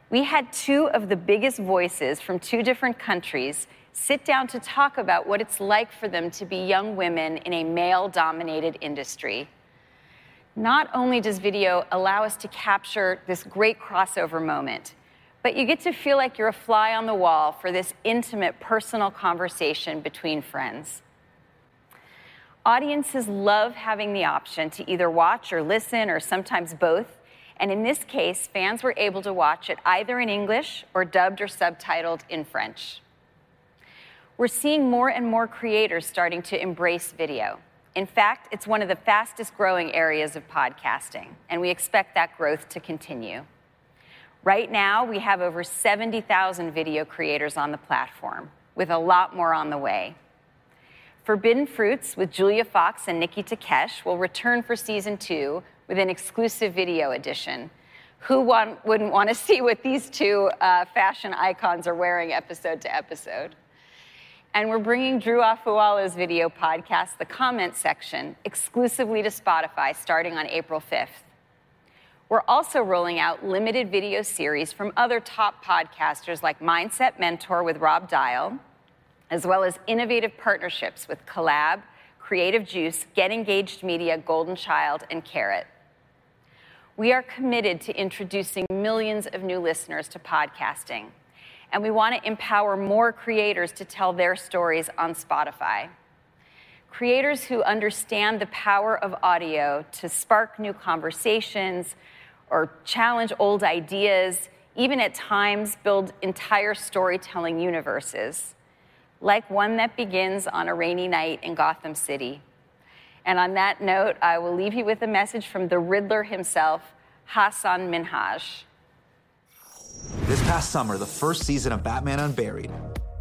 G: We had two of the biggest voices from two different countries sit down to talk about what it's like for them to be young women in a male-dominated industry. Not only does video allow us to capture this great crossover moment, but you get to feel like you're a fly on the wall for this intimate personal conversation between friends. Audiences love having the option to either watch or listen or sometimes both. In this case, fans were able to watch it either in English or dubbed or subtitled in French. We're seeing more and more creators starting to embrace video. It's one of the fastest-growing areas of podcasting. We expect that growth to continue. Right now, we have over 70,000 video creators on the platform, with a lot more on the way. Forbidden Fruits with Julia Fox and Niki Takesh will return for season two with an exclusive video edition. Who wouldn't want to see what these two fashion icons are wearing episode to episode? We're bringing Drew Afualo's video podcast, The Comment Section, exclusively to Spotify, starting on April fifth. We're also rolling out limited video series from other top podcasters like The Mindset Mentor with Rob Dial, as well as innovative partnerships with Collab, Creative Juice, Get Engaged Media, Golden Child, and Karat. We are committed to introducing millions of new listeners to podcasting, and we want to empower more creators to tell their stories on Spotify. Creators who understand the power of audio to spark new conversations or challenge old ideas, even at times build entire storytelling universes, like one that begins on a rainy night in Gotham City. On that note, I will leave you with a message from The Riddler himself, Hasan Minhaj.
I: This past summer, the first season of Batman Unburied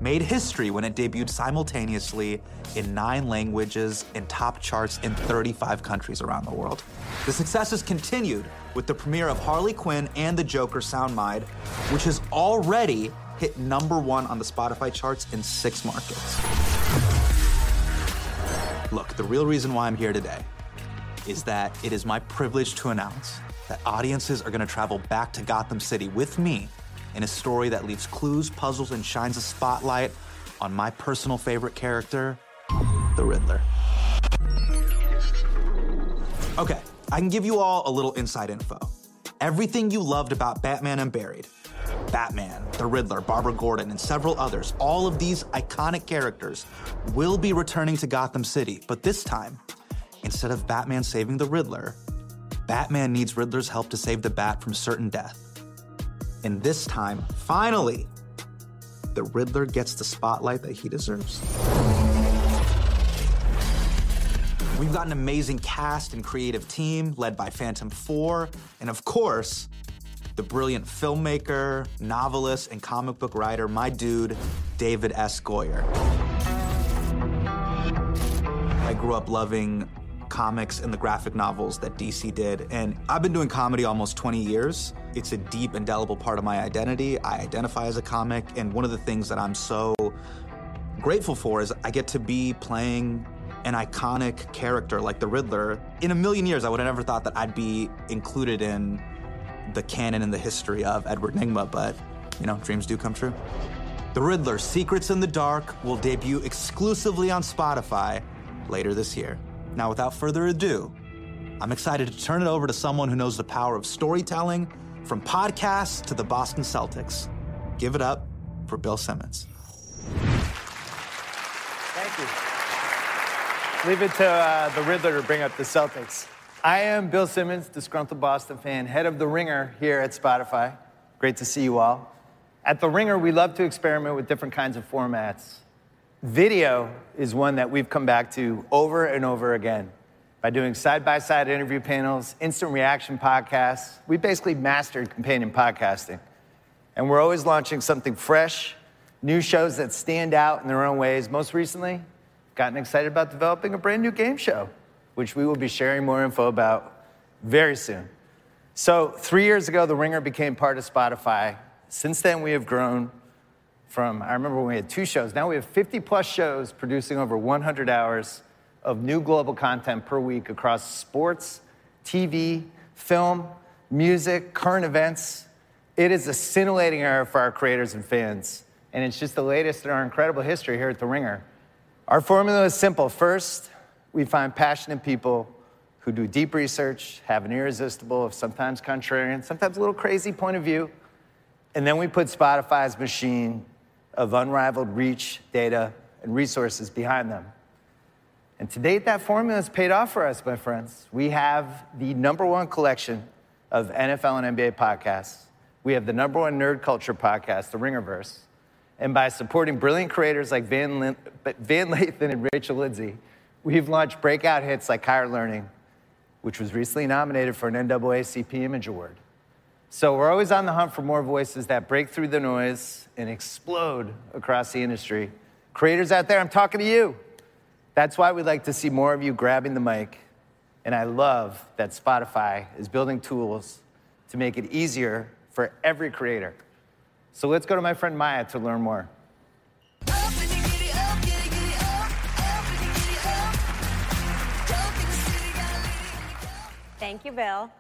I: made history when it debuted simultaneously in nine languages and topped charts in 35 countries around the world. The success has continued with the premiere of Harley Quinn and The Joker: Sound Mind, which has already hit number one on the Spotify charts in six markets. The real reason why I'm here today is that it is my privilege to announce that audiences are going to travel back to Gotham City with me in a story that leaves clues, puzzles, and shines a spotlight on my personal favorite character, The Riddler. I can give you all a little inside info. Everything you loved about Batman Unburied, Batman, The Riddler, Barbara Gordon, and several others, all of these iconic characters will be returning to Gotham City. This time, instead of Batman saving The Riddler, Batman needs Riddler's help to save the Bat from certain death. This time, finally, The Riddler gets the spotlight that he deserves. We've got an amazing cast and creative team led by Phantom Four, and of course the brilliant filmmaker, novelist, and comic book writer, my dude, David S. Goyer. I grew up loving comics and the graphic novels that DC did. I've been doing comedy almost 20 years. It's a deep, indelible part of my identity. I identify as a comic. One of the things that I'm so grateful for is I get to be playing an iconic character like The Riddler. In a million years, I would've never thought that I'd be included in the canon and the history of Edward Nygma, but dreams do come true. The Riddler: Secrets in the Dark will debut exclusively on Spotify later this year. Without further ado, I'm excited to turn it over to someone who knows the power of storytelling from podcasts to the Boston Celtics. Give it up for Bill Simmons.
J: Thank you. Leave it to The Riddler to bring up the Celtics. I am Bill Simmons, disgruntled Boston fan, head of The Ringer here at Spotify. Great to see you all. At The Ringer, we love to experiment with different kinds of formats. Video is one that we've come back to over and over again by doing side-by-side interview panels, instant reaction podcasts. We've basically mastered companion podcasting. We're always launching something fresh, new shows that stand out in their own ways. Most recently, gotten excited about developing a brand-new game show, which we will be sharing more info about very soon. Three years ago, The Ringer became part of Spotify. Since then, we have grown from I remember when we had two shows. Now we have 50-plus shows producing over 100 hours of new global content per week across sports, TV, film, music, current events. It is a scintillating era for our creators and fans, and it's just the latest in our incredible history here at The Ringer. Our formula is simple. First, we find passionate people who do deep research, have an irresistible, sometimes contrarian, sometimes a little crazy point of view, and then we put Spotify's machine of unrivaled reach, data, and resources behind them. To date, that formula's paid off for us, my friends. We have the number one collection of NFL and NBA podcasts. We have the number one nerd culture podcast, The Ringer-Verse. By supporting brilliant creators like Van Lathan and Rachel Lindsay, we've launched breakout hits like Higher Learning, which was recently nominated for an NAACP Image Award. We're always on the hunt for more voices that break through the noise and explode across the industry. Creators out there, I'm talking to you. That's why we'd like to see more of you grabbing the mic, and I love that Spotify is building tools to make it easier for every creator. Let's go to my friend Maya to learn more.
K: Thank you, Bill.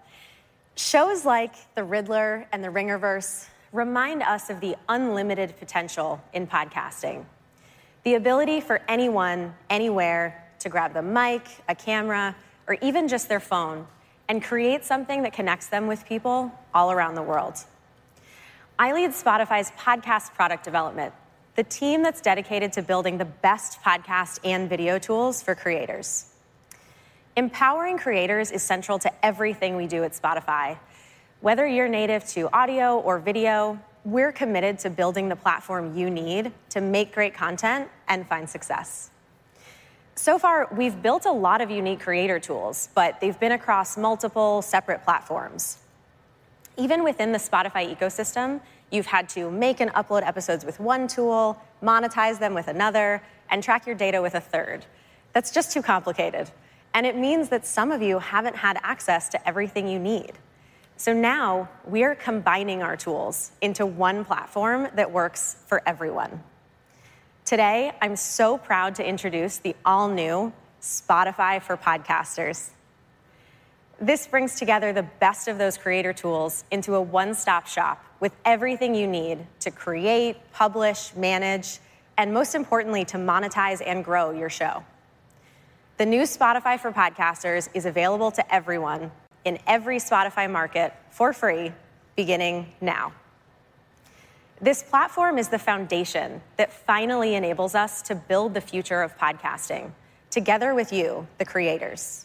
K: Shows like The Riddler and The Ringer-Verse remind us of the unlimited potential in podcasting, the ability for anyone anywhere to grab the mic, a camera, or even just their phone and create something that connects them with people all around the world. I lead Spotify's podcast product development, the team that's dedicated to building the best podcast and video tools for creators. Empowering creators is central to everything we do at Spotify. Whether you're native to audio or video, we're committed to building the platform you need to make great content and find success. So far, we've built a lot of unique creator tools, but they've been across multiple separate platforms. Even within the Spotify ecosystem, you've had to make and upload episodes with one tool, monetize them with another, and track your data with a third. That's just too complicated, and it means that some of you haven't had access to everything you need. Now we're combining our tools into one platform that works for everyone. Today, I'm so proud to introduce the all-new Spotify for Podcasters. This brings together the best of those creator tools into a one-stop shop with everything you need to create, publish, manage, and most importantly, to monetize and grow your show. The new Spotify for Podcasters is available to everyone in every Spotify market for free beginning now. This platform is the foundation that finally enables us to build the future of podcasting together with you, the creators.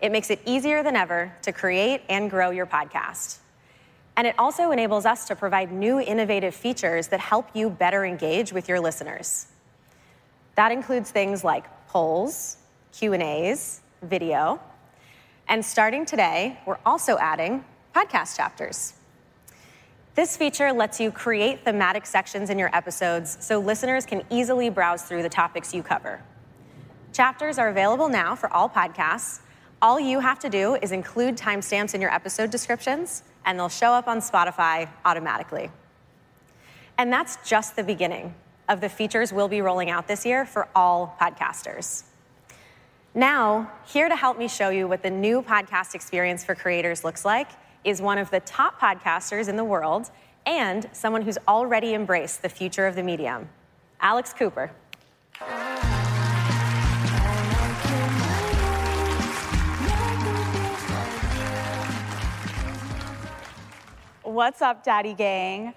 K: It makes it easier than ever to create and grow your podcast, and it also enables us to provide new innovative features that help you better engage with your listeners. That includes things like polls, Q&As, video, and starting today, we're also adding podcast chapters. This feature lets you create thematic sections in your episodes, so listeners can easily browse through the topics you cover. Chapters are available now for all podcasts. All you have to do is include timestamps in your episode descriptions, and they'll show up on Spotify automatically. That's just the beginning of the features we'll be rolling out this year for all podcasters. Here to help me show you what the new podcast experience for creators looks like is one of the top podcasters in the world and someone who's already embraced the future of the medium, Alex Cooper.
L: What's up, Daddy Gang?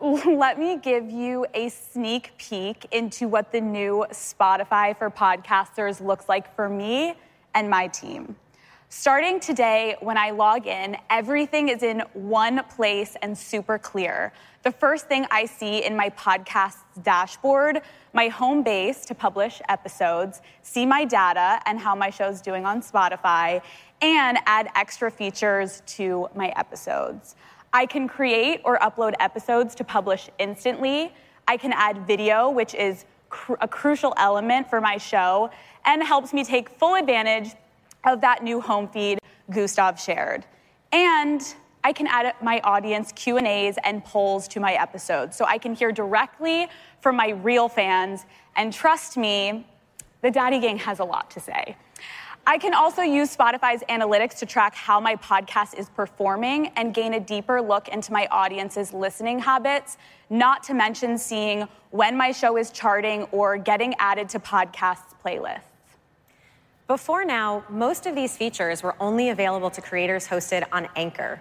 L: LEt me give you a sneak peek into what the new Spotify for Podcasters looks like for me and my team. Starting today, when I log in, everything is in one place and super clear. The first thing I see in my Podcast's dashboard, my home base to publish episodes, see my data and how my show's doing on Spotify, and add extra features to my episodes. I can create or upload episodes to publish instantly. I can add video, which is a crucial element for my show and helps me take full advantage of that new home feed Gustav shared. I can add my audience Q&As and polls to my episodes, so I can hear directly from my real fans. Trust me, the Daddy Gang has a lot to say. I can also use Spotify's analytics to track how my podcast is performing and gain a deeper look into my audience's listening habits, not to mention seeing when my show is charting or getting added to podcast playlists.
K: Before now, most of these features were only available to creators hosted on Anchor.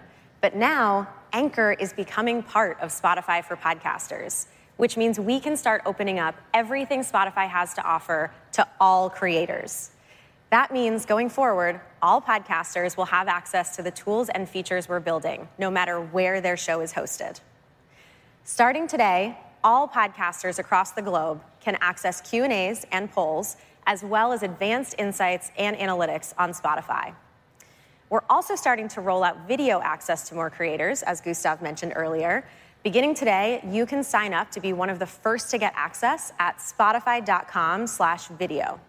K: Now, Anchor is becoming part of Spotify for Podcasters, which means we can start opening up everything Spotify has to offer to all creators. That means, going forward, all podcasters will have access to the tools and features we're building, no matter where their show is hosted. Starting today, all podcasters across the globe can access Q&As and polls, as well as advanced insights and analytics on Spotify. We're also starting to roll out video access to more creators, as Gustav mentioned earlier. Beginning today, you can sign up to be one of the first to get access at spotify.com/video.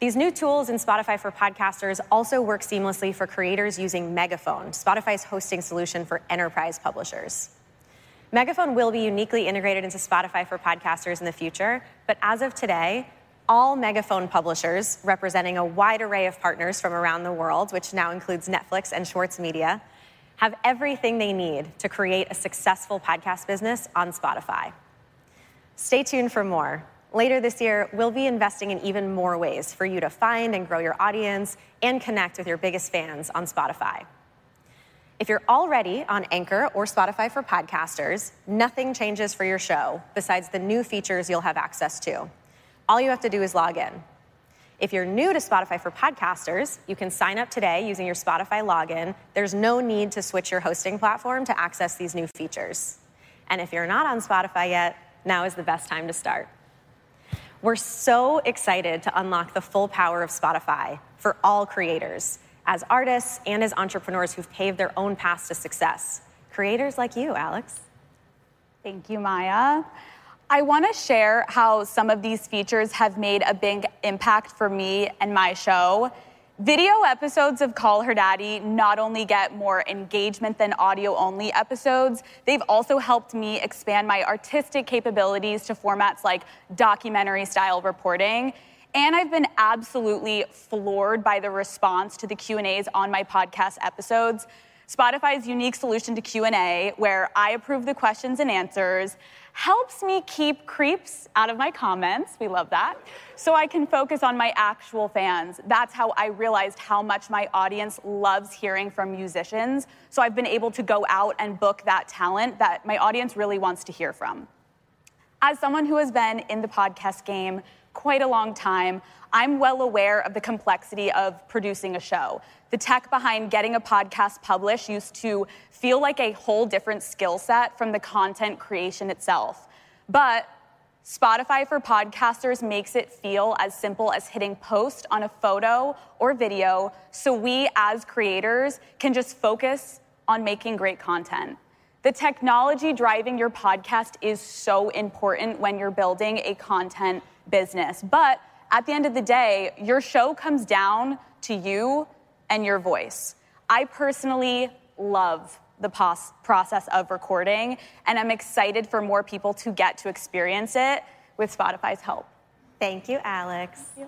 K: These new tools in Spotify for Podcasters also work seamlessly for creators using Megaphone, Spotify's hosting solution for enterprise publishers. Megaphone will be uniquely integrated into Spotify for Podcasters in the future. As of today, all Megaphone publishers, representing a wide array of partners from around the world, which now includes Netflix and Schwartz Media, have everything they need to create a successful podcast business on Spotify. Stay tuned for more. Later this year, we'll be investing in even more ways for you to find and grow your audience and connect with your biggest fans on Spotify. If you're already on Anchor or Spotify for Podcasters, nothing changes for your show besides the new features you'll have access to. All you have to do is log in. If you're new to Spotify for Podcasters, you can sign up today using your Spotify login. There's no need to switch your hosting platform to access these new features. If you're not on Spotify yet, now is the best time to start. We're so excited to unlock the full power of Spotify for all creators, as artists and as entrepreneurs who've paved their own path to success, creators like you, Alex.
L: Thank you, Maya. I want to share how some of these features have made a big impact for me and my show. Video episodes of Call Her Daddy not only get more engagement than audio-only episodes, they've also helped me expand my artistic capabilities to formats like documentary-style reporting, and I've been absolutely floored by the response to the Q&As on my podcast episodes. Spotify's unique solution to Q&A, where I approve the questions and answers, helps me keep creeps out of my comments, we love that. So I can focus on my actual fans. That's how I realized how much my audience loves hearing from musicians, so I've been able to go out and book that talent that my audience really wants to hear from. As someone who has been in the podcast game quite a long time, I'm well aware of the complexity of producing a show. The tech behind getting a podcast published used to feel like a whole different skill set from the content creation itself. Spotify for Podcasters makes it feel as simple as hitting post on a photo or video, so we, as creators, can just focus on making great content. The technology driving your podcast is so important when you're building a content business. At the end of the day, your show comes down to you and your voice. I personally love the process of recording, and I'm excited for more people to get to experience it with Spotify's help.
K: Thank you, Alex.
L: Thank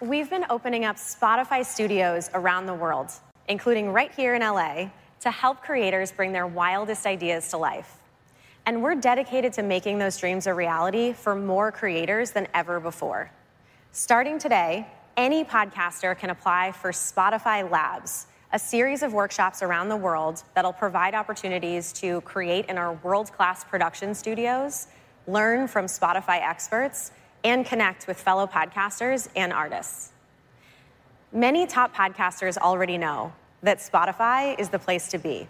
L: you.
K: We've been opening up Spotify Studios around the world, including right here in L.A., to help creators bring their wildest ideas to life, and we're dedicated to making those dreams a reality for more creators than ever before. Starting today, any podcaster can apply for Spotify Labs, a series of workshops around the world that'll provide opportunities to create in our world-class production studios, learn from Spotify experts, and connect with fellow podcasters and artists. Many top podcasters already know that Spotify is the place to be,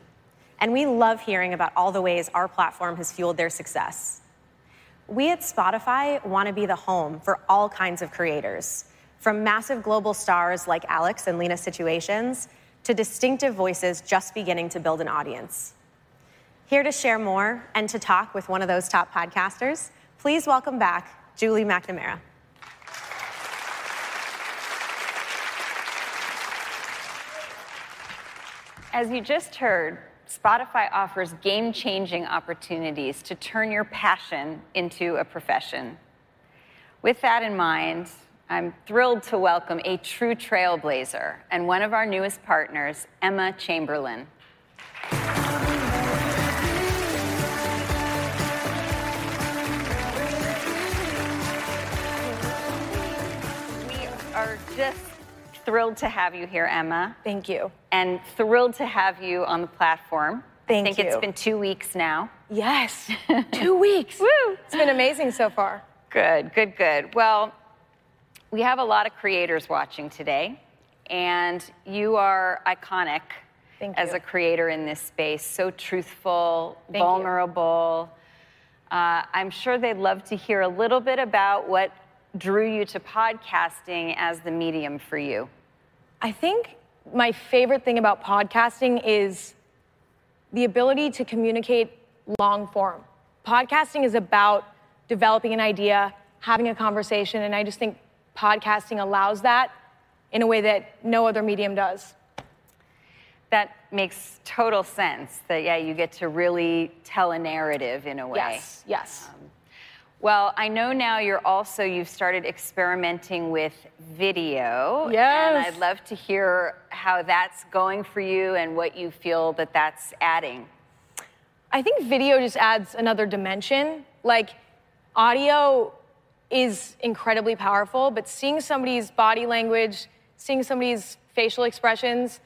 K: and we love hearing about all the ways our platform has fueled their success. We at Spotify want to be the home for all kinds of creators, from massive global stars like Alex and Léna Situations to distinctive voices just beginning to build an audience. Here to share more and to talk with one of those top podcasters, please welcome back Julie McNamara. As you just heard, Spotify offers game-changing opportunities to turn your passion into a profession. With that in mind, I'm thrilled to welcome a true trailblazer and one of our newest partners, Emma Chamberlain. We are just thrilled to have you here, Emma.
M: Thank you.
G: thrilled to have you on the platform.
M: Thank you.
G: I think it's been two weeks now.
M: Yes. Two weeks.
G: Whoo.
M: It's been amazing so far.
G: Good. Well, we have a lot of creators watching today, and you are iconic-
M: Thank you....
G: as a creator in this space.
M: Thank you....
G: vulnerable. I'm sure they'd love to hear a little bit about what drew you to podcasting as the medium for you.
M: I think my favorite thing about podcasting is the ability to communicate long-form. Podcasting is about developing an idea, having a conversation, and I just think podcasting allows that in a way that no other medium does.
G: That makes total sense that you get to really tell a narrative in a way.
M: Yes.
G: Well, I know now also, you've started experimenting with video.
M: Yes.
G: I'd love to hear how that's going for you and what you feel that that's adding.
M: I think video just adds another dimension. Audio is incredibly powerful, but seeing somebody's body language, seeing somebody's facial expressions,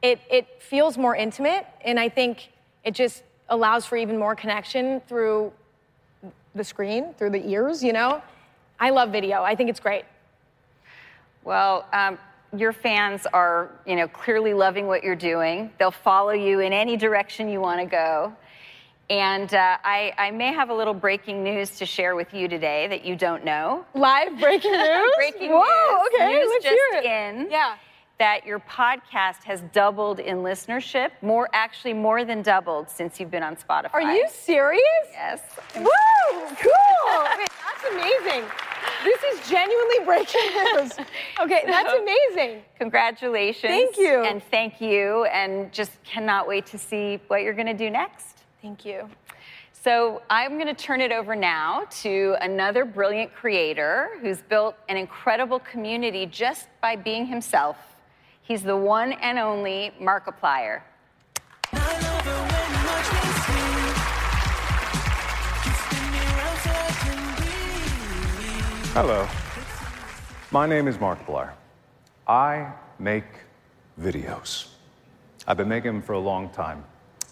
M: it feels more intimate, and I think it just allows for even more connection through the screen, through the ears. I love video. I think it's great.
G: Well, your fans are clearly loving what you're doing. They'll follow you in any direction you want to go. I may have a little breaking news to share with you today that you don't know.
M: Live breaking news?
G: Breaking news.
M: Whoa, okay. Let's hear it.
G: News just in.
M: Yes
G: That your podcast has doubled in listenership. Actually more than doubled since you've been on Spotify.
M: Are you serious?
G: Yes.
M: Whoo! Cool. Okay. That's amazing. This is genuinely breaking news. Okay. That's amazing.
G: Congratulations.
M: Thank you.
G: Thank you, and just cannot wait to see what you're going to do next.
M: Thank you.
G: I'm going to turn it over now to another brilliant creator who's built an incredible community just by being himself. He's the one and only Markiplier.
N: Hello. My name is Markiplier. I make videos. I've been making 'em for a long time.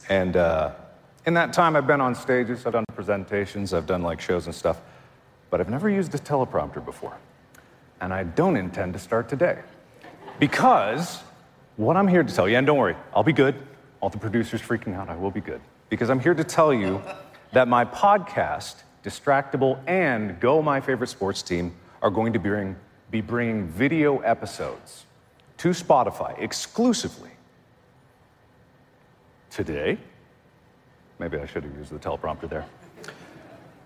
N: In that time, I've been on stages, I've done presentations, I've done shows and stuff. I've never used a teleprompter before, and I don't intend to start today. What I'm here to tell you... Don't worry, I'll be good. All the producers freaking out, I will be good. I'm here to tell you that my podcast, Distractible and Go! My Favorite Sports Team, are going to be bringing video episodes to Spotify exclusively today. Maybe I should've used the teleprompter there.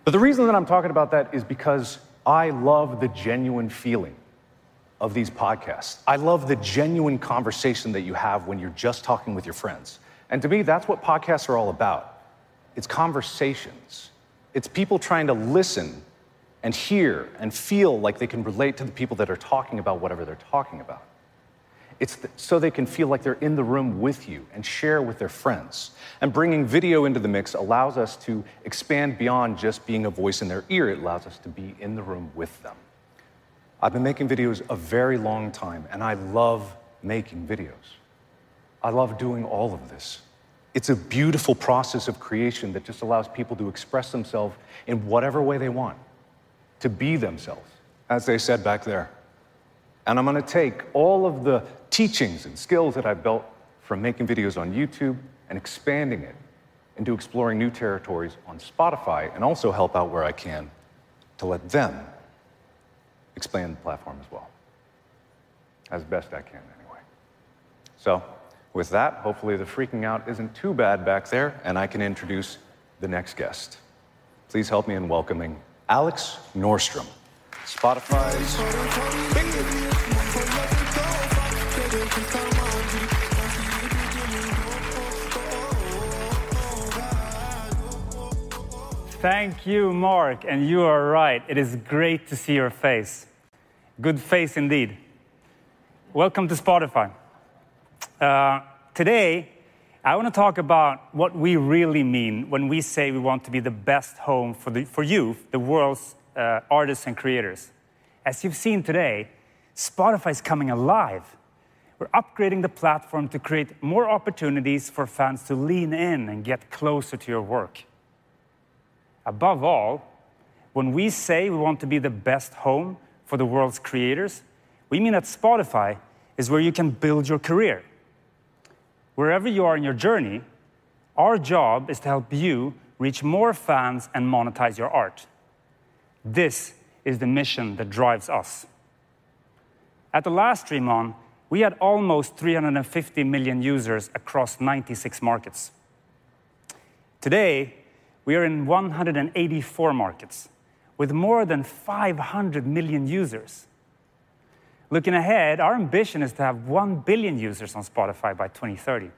N: The reason that I'm talking about that is because I love the genuine feeling of these podcasts. I love the genuine conversation that you have when you're just talking with your friends. To me, that's what podcasts are all about. It's conversations. It's people trying to listen and hear and feel like they can relate to the people that are talking about whatever they're talking about. So they can feel like they're in the room with you and share with their friends. Bringing video into the mix allows us to expand beyond just being a voice in their ear. It allows us to be in the room with them. I've been making videos a very long time, and I love making videos. I love doing all of this. It's a beautiful process of creation that just allows people to express themselves in whatever way they want, to be themselves, as they said back there. I'm going to take all of the teachings and skills that I've built from making videos on YouTube and expanding it into exploring new territories on Spotify and also help out where I can to let them expand the platform as well, as best I can anyway. With that, hopefully, the freaking out isn't too bad back there, and I can introduce the next guest. Please help me in welcoming Alex Norström.
O: Thank you, Mark, you are right. It is great to see your face. Good face indeed. Welcome to Spotify. Today, I want to talk about what we really mean when we say we want to be the best home for you, the world's artists and creators. As you've seen today, Spotify's coming alive. We're upgrading the platform to create more opportunities for fans to lean in and get closer to your work. Above all, when we say we want to be the best home for the world's creators, we mean that Spotify is where you can build your career. Wherever you are in your journey, our job is to help you reach more fans and monetize your art. This is the mission that drives us. At the last Stream On, we had almost 350 million users across 96 markets. Today, we are in 184 markets with more than 500 million users. Looking ahead, our ambition is to have 1 billion users on Spotify by 2030.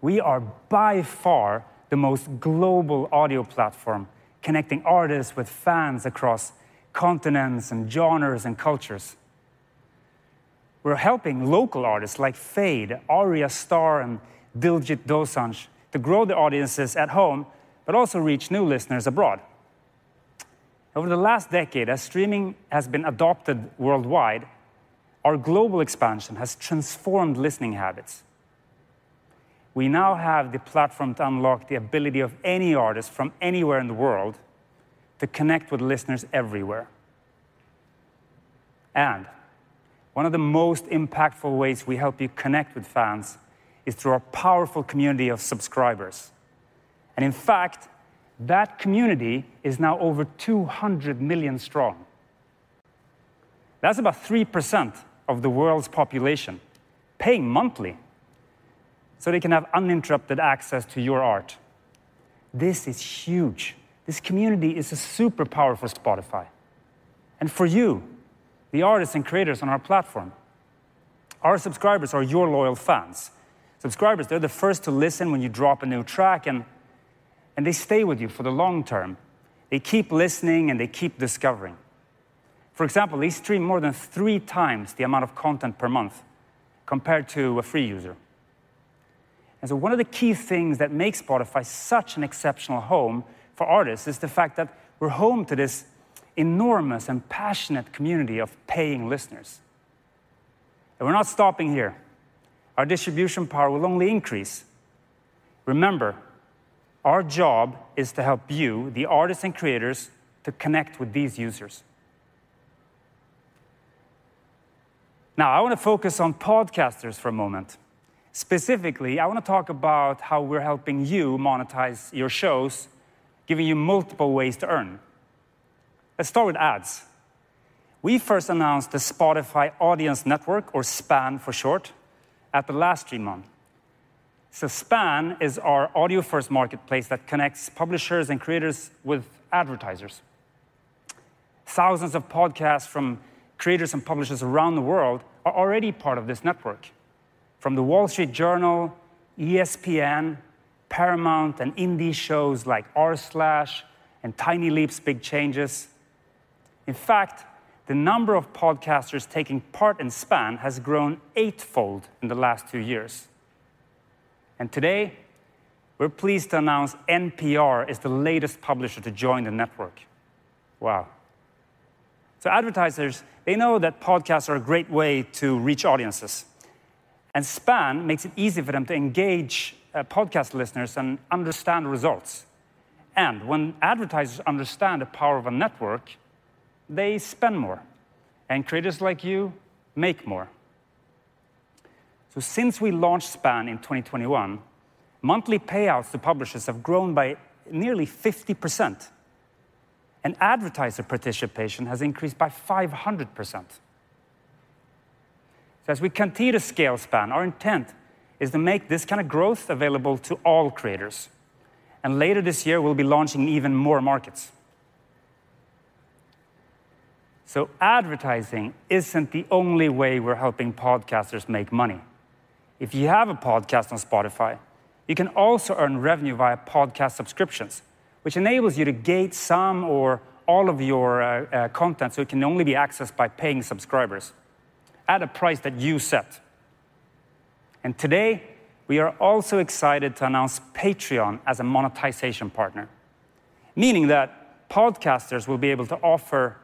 O: We are by far the most global audio platform, connecting artists with fans across continents and genres and cultures. We're helping local artists like Feid, Ayra Starr, and Diljit Dosanjh to grow their audiences at home, but also reach new listeners abroad. Over the last decade, as streaming has been adopted worldwide, our global expansion has transformed listening habits. We now have the platform to unlock the ability of any artist from anywhere in the world to connect with listeners everywhere. One of the most impactful ways we help you connect with fans is through our powerful community of subscribers. In fact, that community is now over 200 million strong. That's about 3% of the world's population paying monthly so they can have uninterrupted access to your art. This is huge. This community is a superpower for Spotify and for you, the artists and creators on our platform. Our subscribers are your loyal fans. Subscribers, they're the first to listen when you drop a new track and they stay with you for the long term. They keep listening, and they keep discovering. For example, they stream more than three times the amount of content per month compared to a free user. One of the key things that make Spotify such an exceptional home for artists is the fact that we're home to this enormous and passionate community of paying listeners. We're not stopping here. Our distribution power will only increase. Remember, our job is to help you, the artists and creators, to connect with these users. I want to focus on podcasters for a moment. Specifically, I want to talk about how we're helping you monetize your shows, giving you multiple ways to earn. Let's start with ads. We first announced the Spotify Audience Network, or SPAN for short, at the last Stream On. SPAN is our audio-first marketplace that connects publishers and creators with advertisers. Thousands of podcasts from creators and publishers around the world are already part of this network. From The Wall Street Journal, ESPN, Paramount, and indie shows like rSlash and Tiny Leaps, Big Changes. In fact, the number of podcasters taking part in SPAN has grown eightfold in the last two years. Today, we're pleased to announce NPR is the latest publisher to join the network. Advertisers, they know that podcasts are a great way to reach audiences, and SPAN makes it easy for them to engage podcast listeners and understand results. When advertisers understand the power of a network, they spend more, and creators like you make more. Since we launched SPAN in 2021, monthly payouts to publishers have grown by nearly 50%. Advertiser participation has increased by 500%. As we continue to scale SPAN, our intent is to make this kind of growth available to all creators. Later this year, we'll be launching even more markets. Advertising isn't the only way we're helping podcasters make money. If you have a podcast on Spotify, you can also earn revenue via podcast subscriptions, which enables you to gate some or all of your content, so it can only be accessed by paying subscribers at a price that you set. Today, we are also excited to announce Patreon as a monetization partner, meaning that podcasters will be able to offer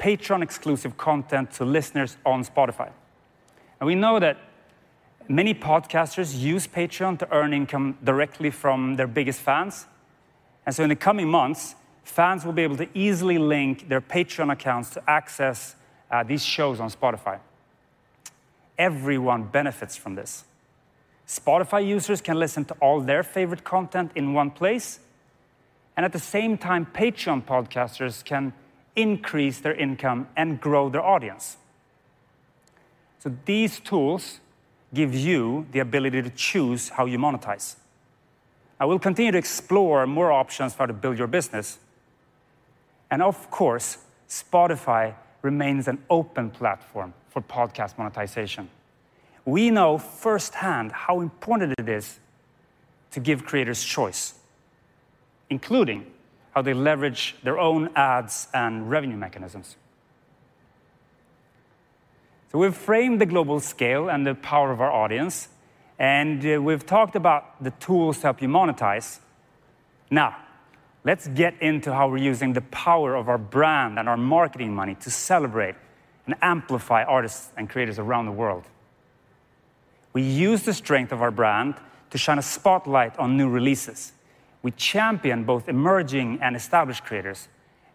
O: Patreon-exclusive content to listeners on Spotify. We know that many podcasters use Patreon to earn income directly from their biggest fans. In the coming months, fans will be able to easily link their Patreon accounts to access these shows on Spotify. Everyone benefits from this. Spotify users can listen to all their favorite content in one place, and at the same time, Patreon podcasters can increase their income and grow their audience. These tools give you the ability to choose how you monetize. We'll continue to explore more options for how to build your business. Of course, Spotify remains an open platform for podcast monetization. We know firsthand how important it is to give creators choice, including how they leverage their own ads and revenue mechanisms. We've framed the global scale and the power of our audience, and we've talked about the tools to help you monetize. Now, let's get into how we're using the power of our brand and our marketing money to celebrate and amplify artists and creators around the world. We use the strength of our brand to shine a spotlight on new releases. We champion both emerging and established creators,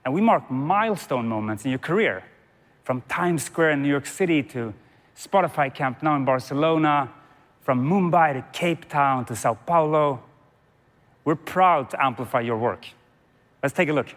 O: and we mark milestone moments in your career. From Times Square in New York City to Spotify Camp Nou in Barcelona, from Mumbai to Cape Town to São Paulo, we're proud to amplify your work. Let's take a look.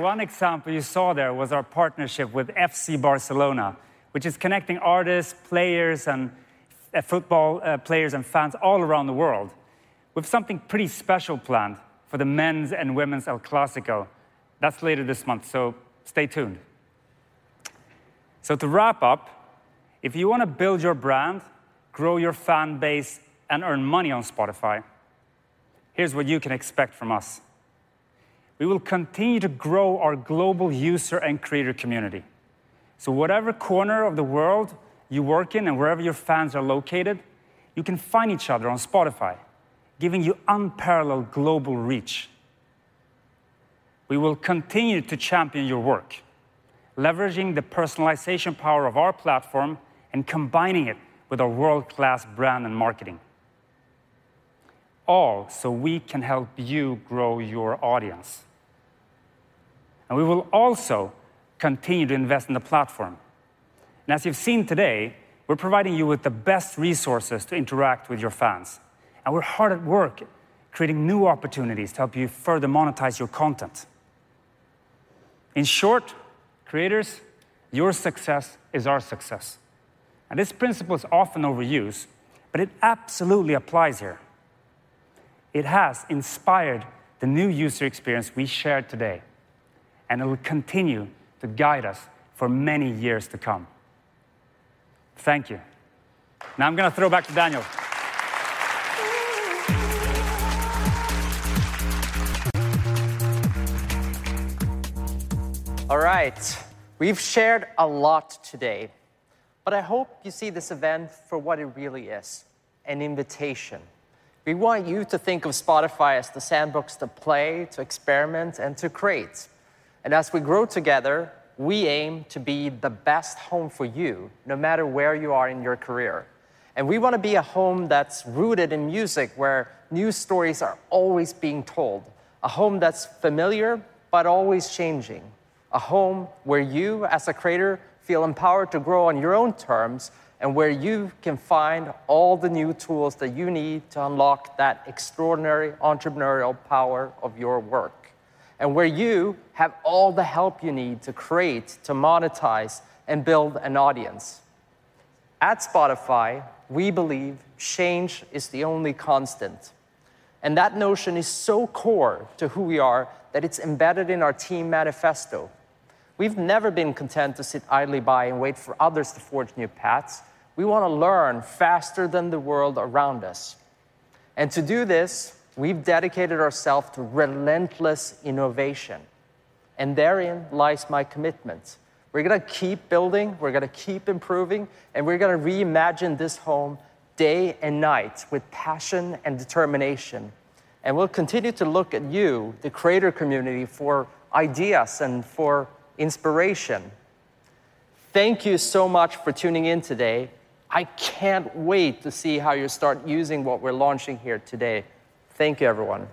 O: One example you saw there was our partnership with FC Barcelona, which is connecting artists, players, and football players and fans all around the world. We have something pretty special planned for the men's and women's El Clásico. That's later this month, so stay tuned. To wrap up, if you want to build your brand, grow your fan base, and earn money on Spotify, here's what you can expect from us. We will continue to grow our global user and creator community, so whatever corner of the world you work in and wherever your fans are located, you can find each other on Spotify, giving you unparalleled global reach. We will continue to champion your work, leveraging the personalization power of our platform and combining it with a world-class brand and marketing, all so we can help you grow your audience. We will also continue to invest in the platform. As you've seen today, we're providing you with the best resources to interact with your fans, and we're hard at work creating new opportunities to help you further monetize your content. In short, creators, your success is our success, and this principle is often overused, but it absolutely applies here. It has inspired the new user experience we shared today, and it will continue to guide us for many years to come. Thank you. Now I'm going to throw back to Daniel.
A: All right. We've shared a lot today, I hope you see this event for what it really is, an invitation. We want you to think of Spotify as the sandbox to play, to experiment, and to create. As we grow together, we aim to be the best home for you, no matter where you are in your career. We want to be a home that's rooted in music, where new stories are always being told. A home that's familiar, always changing. A home where you, as a creator, feel empowered to grow on your own terms, where you can find all the new tools that you need to unlock that extraordinary entrepreneurial power of your work. Where you have all the help you need to create, to monetize, and build an audience. At Spotify, we believe change is the only constant, that notion is so core to who we are that it's embedded in our team manifesto. We've never been content to sit idly by and wait for others to forge new paths. We want to learn faster than the world around us. To do this, we've dedicated ourself to relentless innovation, and therein lies my commitment. We're going to keep building, we're going to keep improving, and we're going to reimagine this home day and night with passion and determination. We'll continue to look at you, the creator community, for ideas and for inspiration. Thank you so much for tuning in today. I can't wait to see how you start using what we're launching here today. Thank you, everyone.